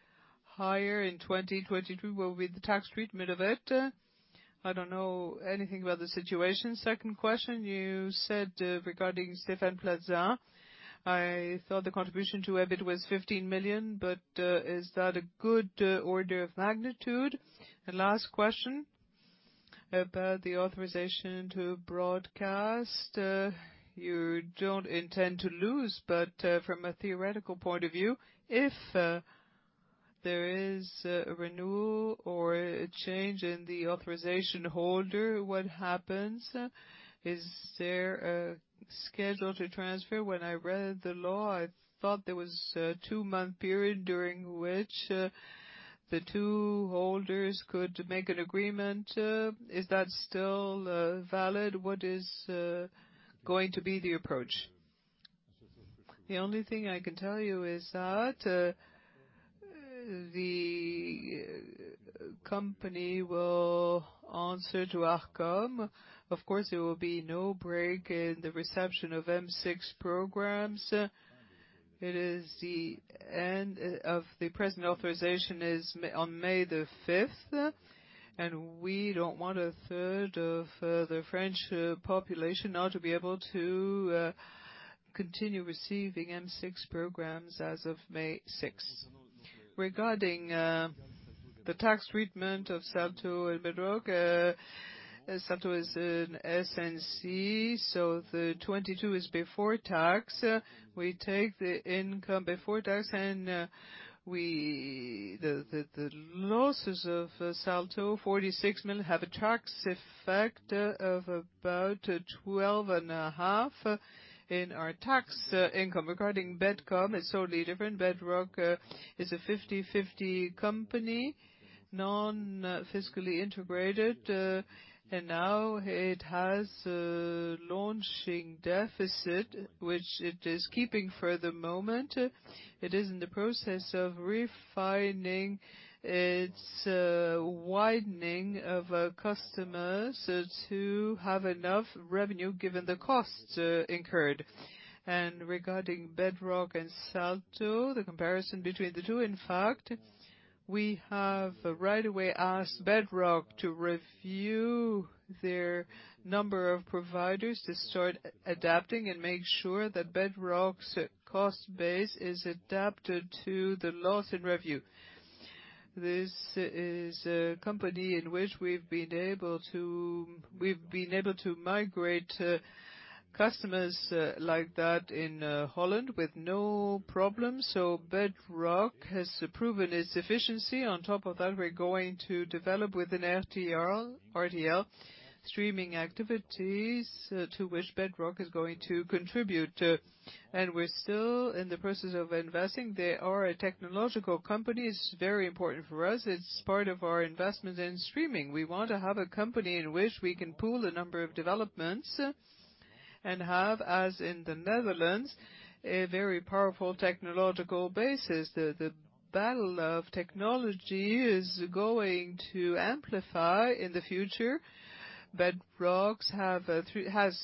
higher in 2022? What will be the tax treatment of it? I don't know anything about the situation. Second question, you said regarding Stéphane Plaza, I thought the contribution to EBIT was 15 million. Is that a good order of magnitude? Last question, about the authorization to broadcast. You don't intend to lose. From a theoretical point of view, if there is a renewal or a change in the authorization holder, what happens? Is there a schedule to transfer? When I read the law, I thought there was a two-month period during which the two holders could make an agreement to. Is that still valid? What is going to be the approach? The only thing I can tell you is that the company will answer to Arcom. Of course, there will be no break in the reception of M6 programs. It is the end of the present authorization is on May the 5th. We don't want a third of the French population not to be able to continue receiving M6 programs as of May 6th. Regarding the tax treatment of Salto and Bedrock, Salto is an SNC, so the 22 is before tax. We take the income before tax. The losses of Salto, 46 million, have a tax effect of about 12.5 in our tax income. Regarding Bedrock, it's totally different. Bedrock is a 50/50 company, non-physically integrated, and now it has a launching deficit which it is keeping for the moment. It is in the process of refining its widening of customers to have enough revenue given the costs incurred. Regarding Bedrock and Salto, the comparison between the two, in fact, we have right away asked Bedrock to review their number of providers to start adapting and make sure that Bedrock's cost base is adapted to the loss in revenue. This is a company in which we've been able to migrate customers like that in Holland with no problems. Bedrock has proven its efficiency. On top of that, we're going to develop with RTL streaming activities to which Bedrock is going to contribute. We're still in the process of investing. They are a technological company. It's very important for us. It's part of our investment in streaming. We want to have a company in which we can pool a number of developments and have, as in the Netherlands, a very powerful technological basis. T he battle of technology is going to amplify in the future. Bedrock has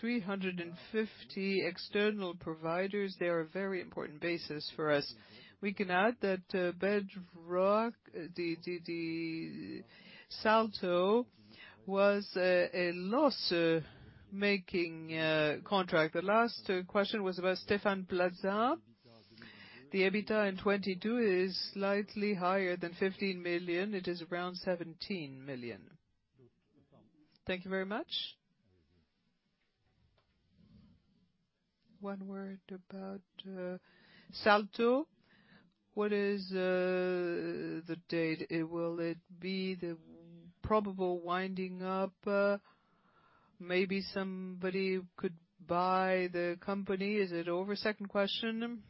350 external providers. They're a very important basis for us. We can add that Bedrock, the Salto was a loss-making contract. The last question was about Stéphane Plaza. The EBITDA in 2022 is slightly higher than 15 million. It is around 17 million. Thank you very much. One word about Salto. What is the date? Will it be the probable winding up? Maybe somebody could buy the company. Is it over? Second question,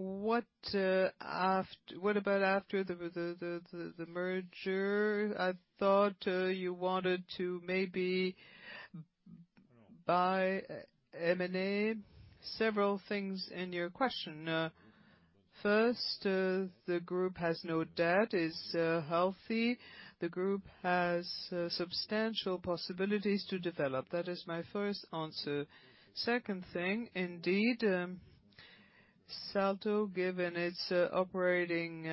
what about after the merger? I thought you wanted to maybe buy M&A. Several things in your question. First, the group has no debt, it's healthy. The group has substantial possibilities to develop. That is my first answer. Second thing, indeed, Salto, given its operating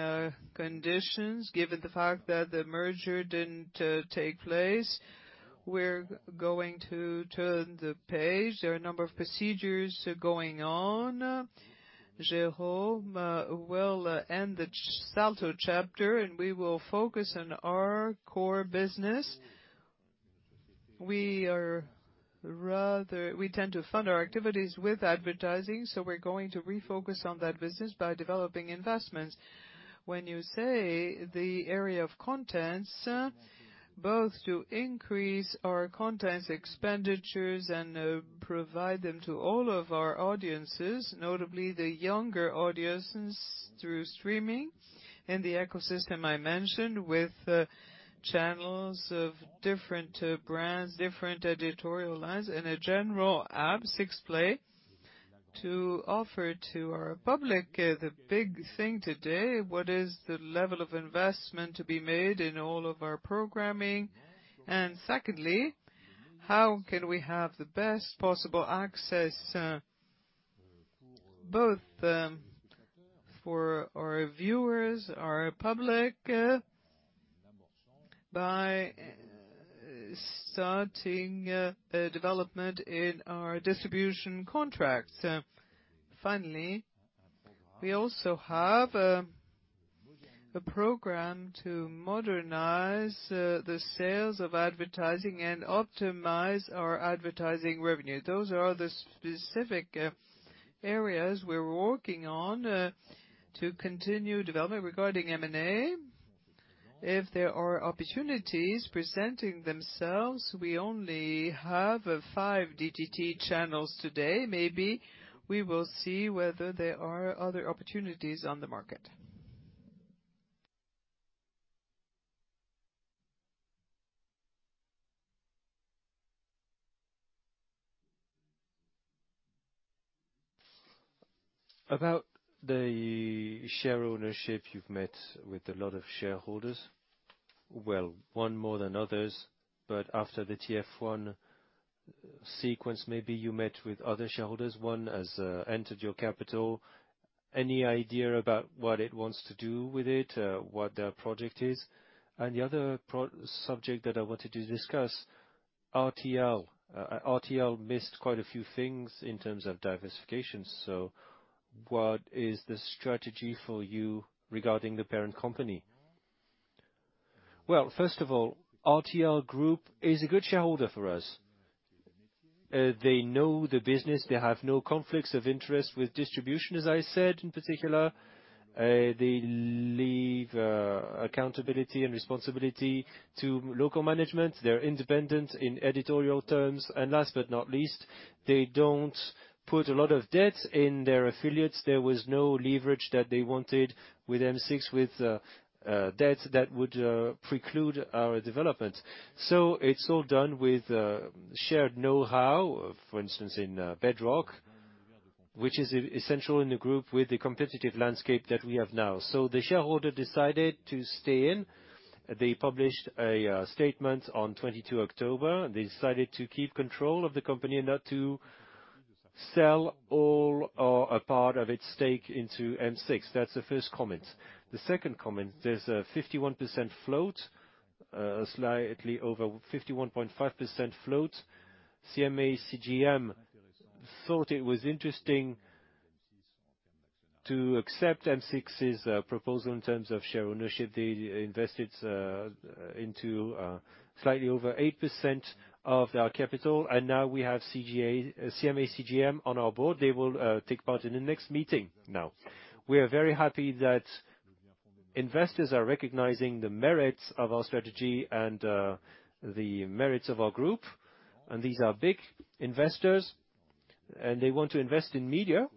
conditions, given the fact that the merger didn't take place, we're going to turn the page. There are a number of procedures going on. Jerome will end the Salto chapter, we will focus on our core business. We tend to fund our activities with advertising, we're going to refocus on that business by developing investments. When you say the area of contents, both to increase our contents expenditures and provide them to all of our audiences, notably the younger audiences, through streaming in the ecosystem I mentioned, with channels of different brands, different editorial lines, and a general app, 6play, to offer to our public, the big thing today, what is the level of investment to be made in all of our programming? Secondly, how can we have the best possible access, both for our viewers, our public, by starting a development in our distribution contracts. Finally, we also have a program to modernize the sales of advertising and optimize our advertising revenue. Those are the specific areas we're working on to continue development. Regarding M&A, if there are opportunities presenting themselves, we only have five DTT channels today. Maybe we will see whether there are other opportunities on the market. About the share ownership, you've met with a lot of shareholders. Well, one more than others, but after the TF1 sequence, maybe you met with other shareholders. One has entered your capital. Any idea about what it wants to do with it, what their project is? The other subject that I wanted to discuss, RTL. RTL missed quite a few things in terms of diversification. What is the strategy for you regarding the parent company? Well, first of all, RTL Group is a good shareholder for us. They know the business. They have no conflicts of interest with distribution, as I said, in particular. They leave accountability and responsibility to local management. They're independent in editorial terms. Last but not least, they don't put a lot of debt in their affiliates. There was no leverage that they wanted with M6, with debt that would preclude our development. It's all done with shared know-how. For instance, in Bedrock, which is essential in the group with the competitive landscape that we have now. The shareholder decided to stay in. They published a statement on 22 October, and they decided to keep control of the company and not to sell all or a part of its stake into M6. That's the first comment. The second comment, there's a 51% float, slightly over 51.5% float. CMA CGM thought it was interesting to accept M6's proposal in terms of share ownership. They invested into slightly over 8% of their capital, and now we have CMA CGM on our board. They will take part in the next meeting now. We are very happy that investors are recognizing the merits of our strategy and the merits of our group. These are big investors, and they want to invest in media.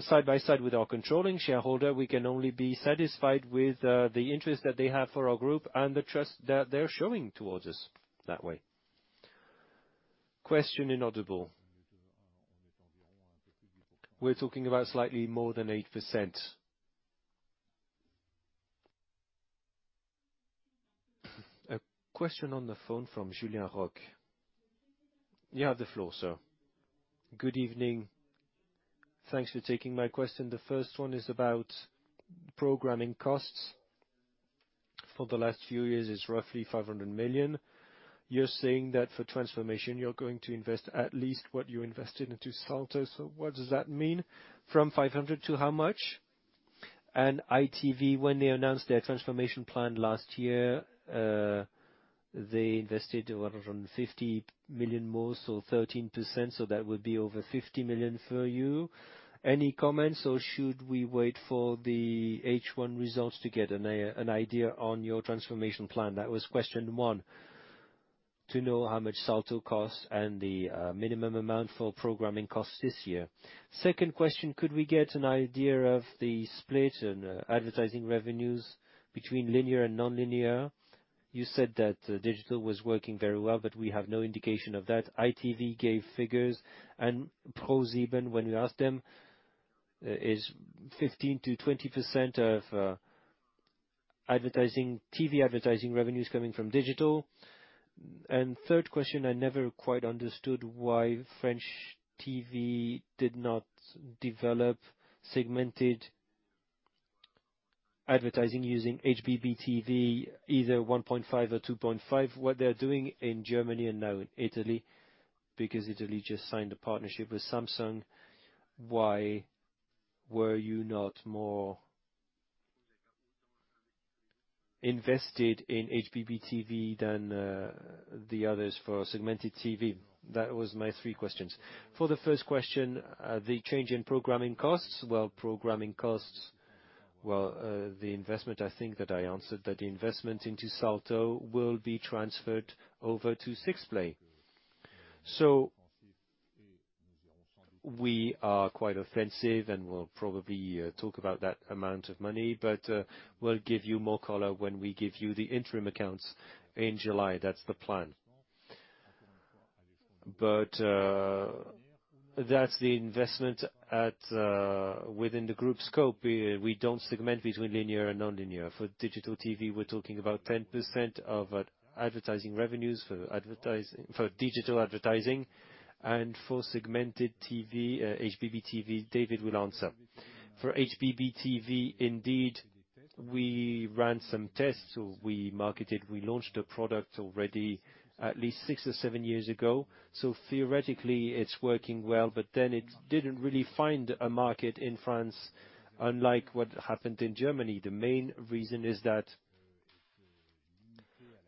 Side by side with our controlling shareholder, we can only be satisfied with the interest that they have for our group and the trust that they're showing towards us that way. We're talking about slightly more than 8%. A question on the phone from Julien Roch. You have the floor, sir. Good evening. Thanks for taking my question. The first one is about programming costs. For the last few years, it's roughly 500 million. You're saying that for transformation, you're going to invest at least what you invested into Salto. What does that mean? From 500 to how much? ITV, when they announced their transformation plan last year, they invested 150 million more, so 13%, so that would be over 50 million for you. Any comments, or should we wait for the H1 results to get an idea on your transformation plan? That was question one, to know how much Salto costs and the minimum amount for programming costs this year. Second question, could we get an idea of the split in advertising revenues between linear and nonlinear? You said that digital was working very well, but we have no indication of that. ITV gave figures and ProSieben when we asked them, is 15%-20% of advertising, TV advertising revenues coming from digital. Third question, I never quite understood why French TV did not develop segmented advertising using HbbTV, either 1.5 or 2.5, what they're doing in Germany and now in Italy, because Italy just signed a partnership with Samsung. Why were you not more invested in HbbTV than the others for segmented TV? That was my three questions. For the first question, the change in programming costs. Programming costs, the investment, I think that I answered that the investment into Salto will be transferred over to 6play. We are quite offensive, and we'll probably talk about that amount of money, but we'll give you more color when we give you the interim accounts in July. That's the plan. That's the investment at within the group scope. We don't segment between linear and nonlinear. For digital TV, we're talking about 10% of advertising revenues for digital advertising and for segmented TV, HbbTV, David will answer. For HbbTV, indeed, we ran some tests, or we marketed, we launched a product already at least six or seven years ago, so theoretically, it's working well, but then it didn't really find a market in France unlike what happened in Germany. The main reason is that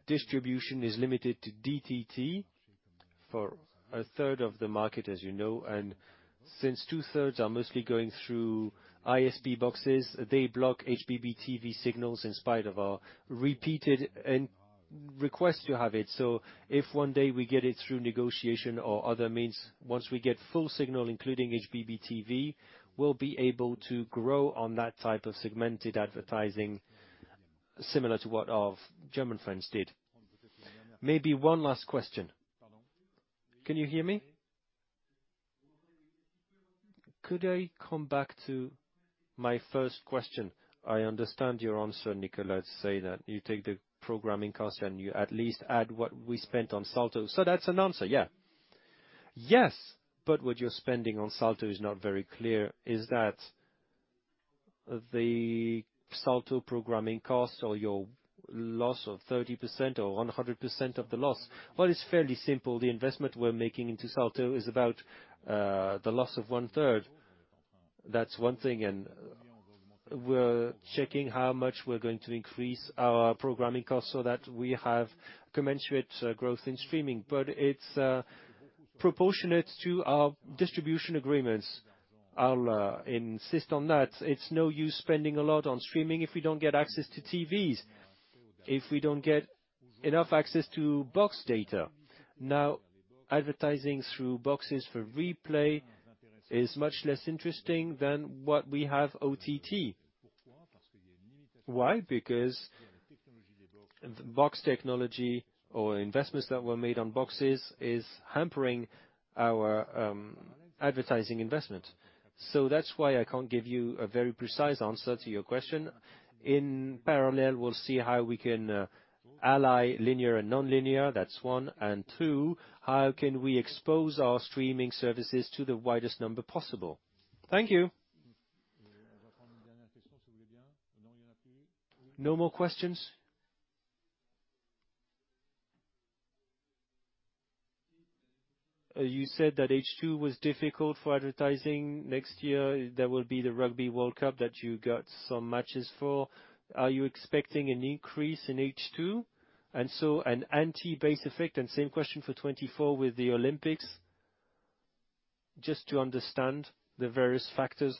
distribution is limited to DTT for a third of the market, as you know, and since two-thirds are mostly going through ISP boxes, they block HbbTV signals in spite of our repeated and request to have it. If one day we get it through negotiation or other means, once we get full signal, including HbbTV, we'll be able to grow on that type of segmented advertising similar to what our German friends did. Maybe one last question. Can you hear me? Could I come back to my first question? I understand your answer, Nicolas, say that you take the programming cost and you at least add what we spent on Salto. That's an answer, yeah. What you're spending on Salto is not very clear. Is that the Salto programming cost or your loss of 30% or 100% of the loss? It's fairly simple. The investment we're making into Salto is about the loss of one-third. That's one thing, and we're checking how much we're going to increase our programming costs so that we have commensurate growth in streaming. It's proportionate to our distribution agreements. I'll insist on that. It's no use spending a lot on streaming if we don't get access to TVs, if we don't get enough access to box data. Advertising through boxes for replay is much less interesting than what we have OTT. Why? Box technology or investments that were made on boxes is hampering our advertising investment. That's why I can't give you a very precise answer to your question. In parallel, we'll see how we can ally linear and nonlinear. That's one, two, how can we expose our streaming services to the widest number possible? Thank you. No more questions? You said that H-2 was difficult for advertising. Next year, there will be the Rugby World Cup that you got some matches for. Are you expecting an increase in H-2 and so an anti-base effect? Same question for 24 with the Olympics, just to understand the various factors.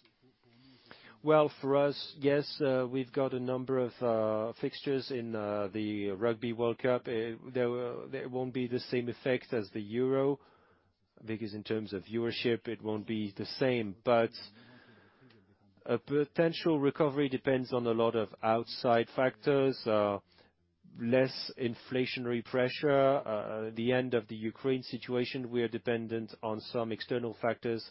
Well, for us, yes, we've got a number of fixtures in the Rugby World Cup. There won't be the same effect as the Euro because in terms of viewership, it won't be the same. A potential recovery depends on a lot of outside factors, less inflationary pressure, the end of the Ukraine situation. We are dependent on some external factors.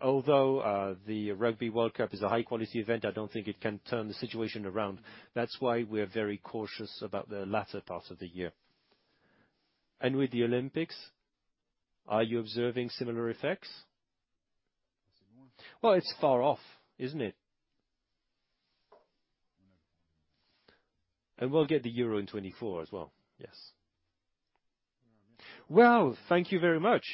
Although, the Rugby World Cup is a high-quality event, I don't think it can turn the situation around. That's why we're very cautious about the latter part of the year. With the Olympics, are you observing similar effects? Well, it's far off, isn't it? We'll get the Euro in 2024 as well. Yes. Well, thank you very much.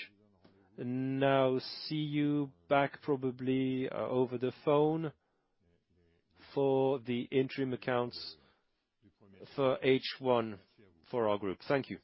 Now see you back probably over the phone for the interim accounts for H1 for our group. Thank you.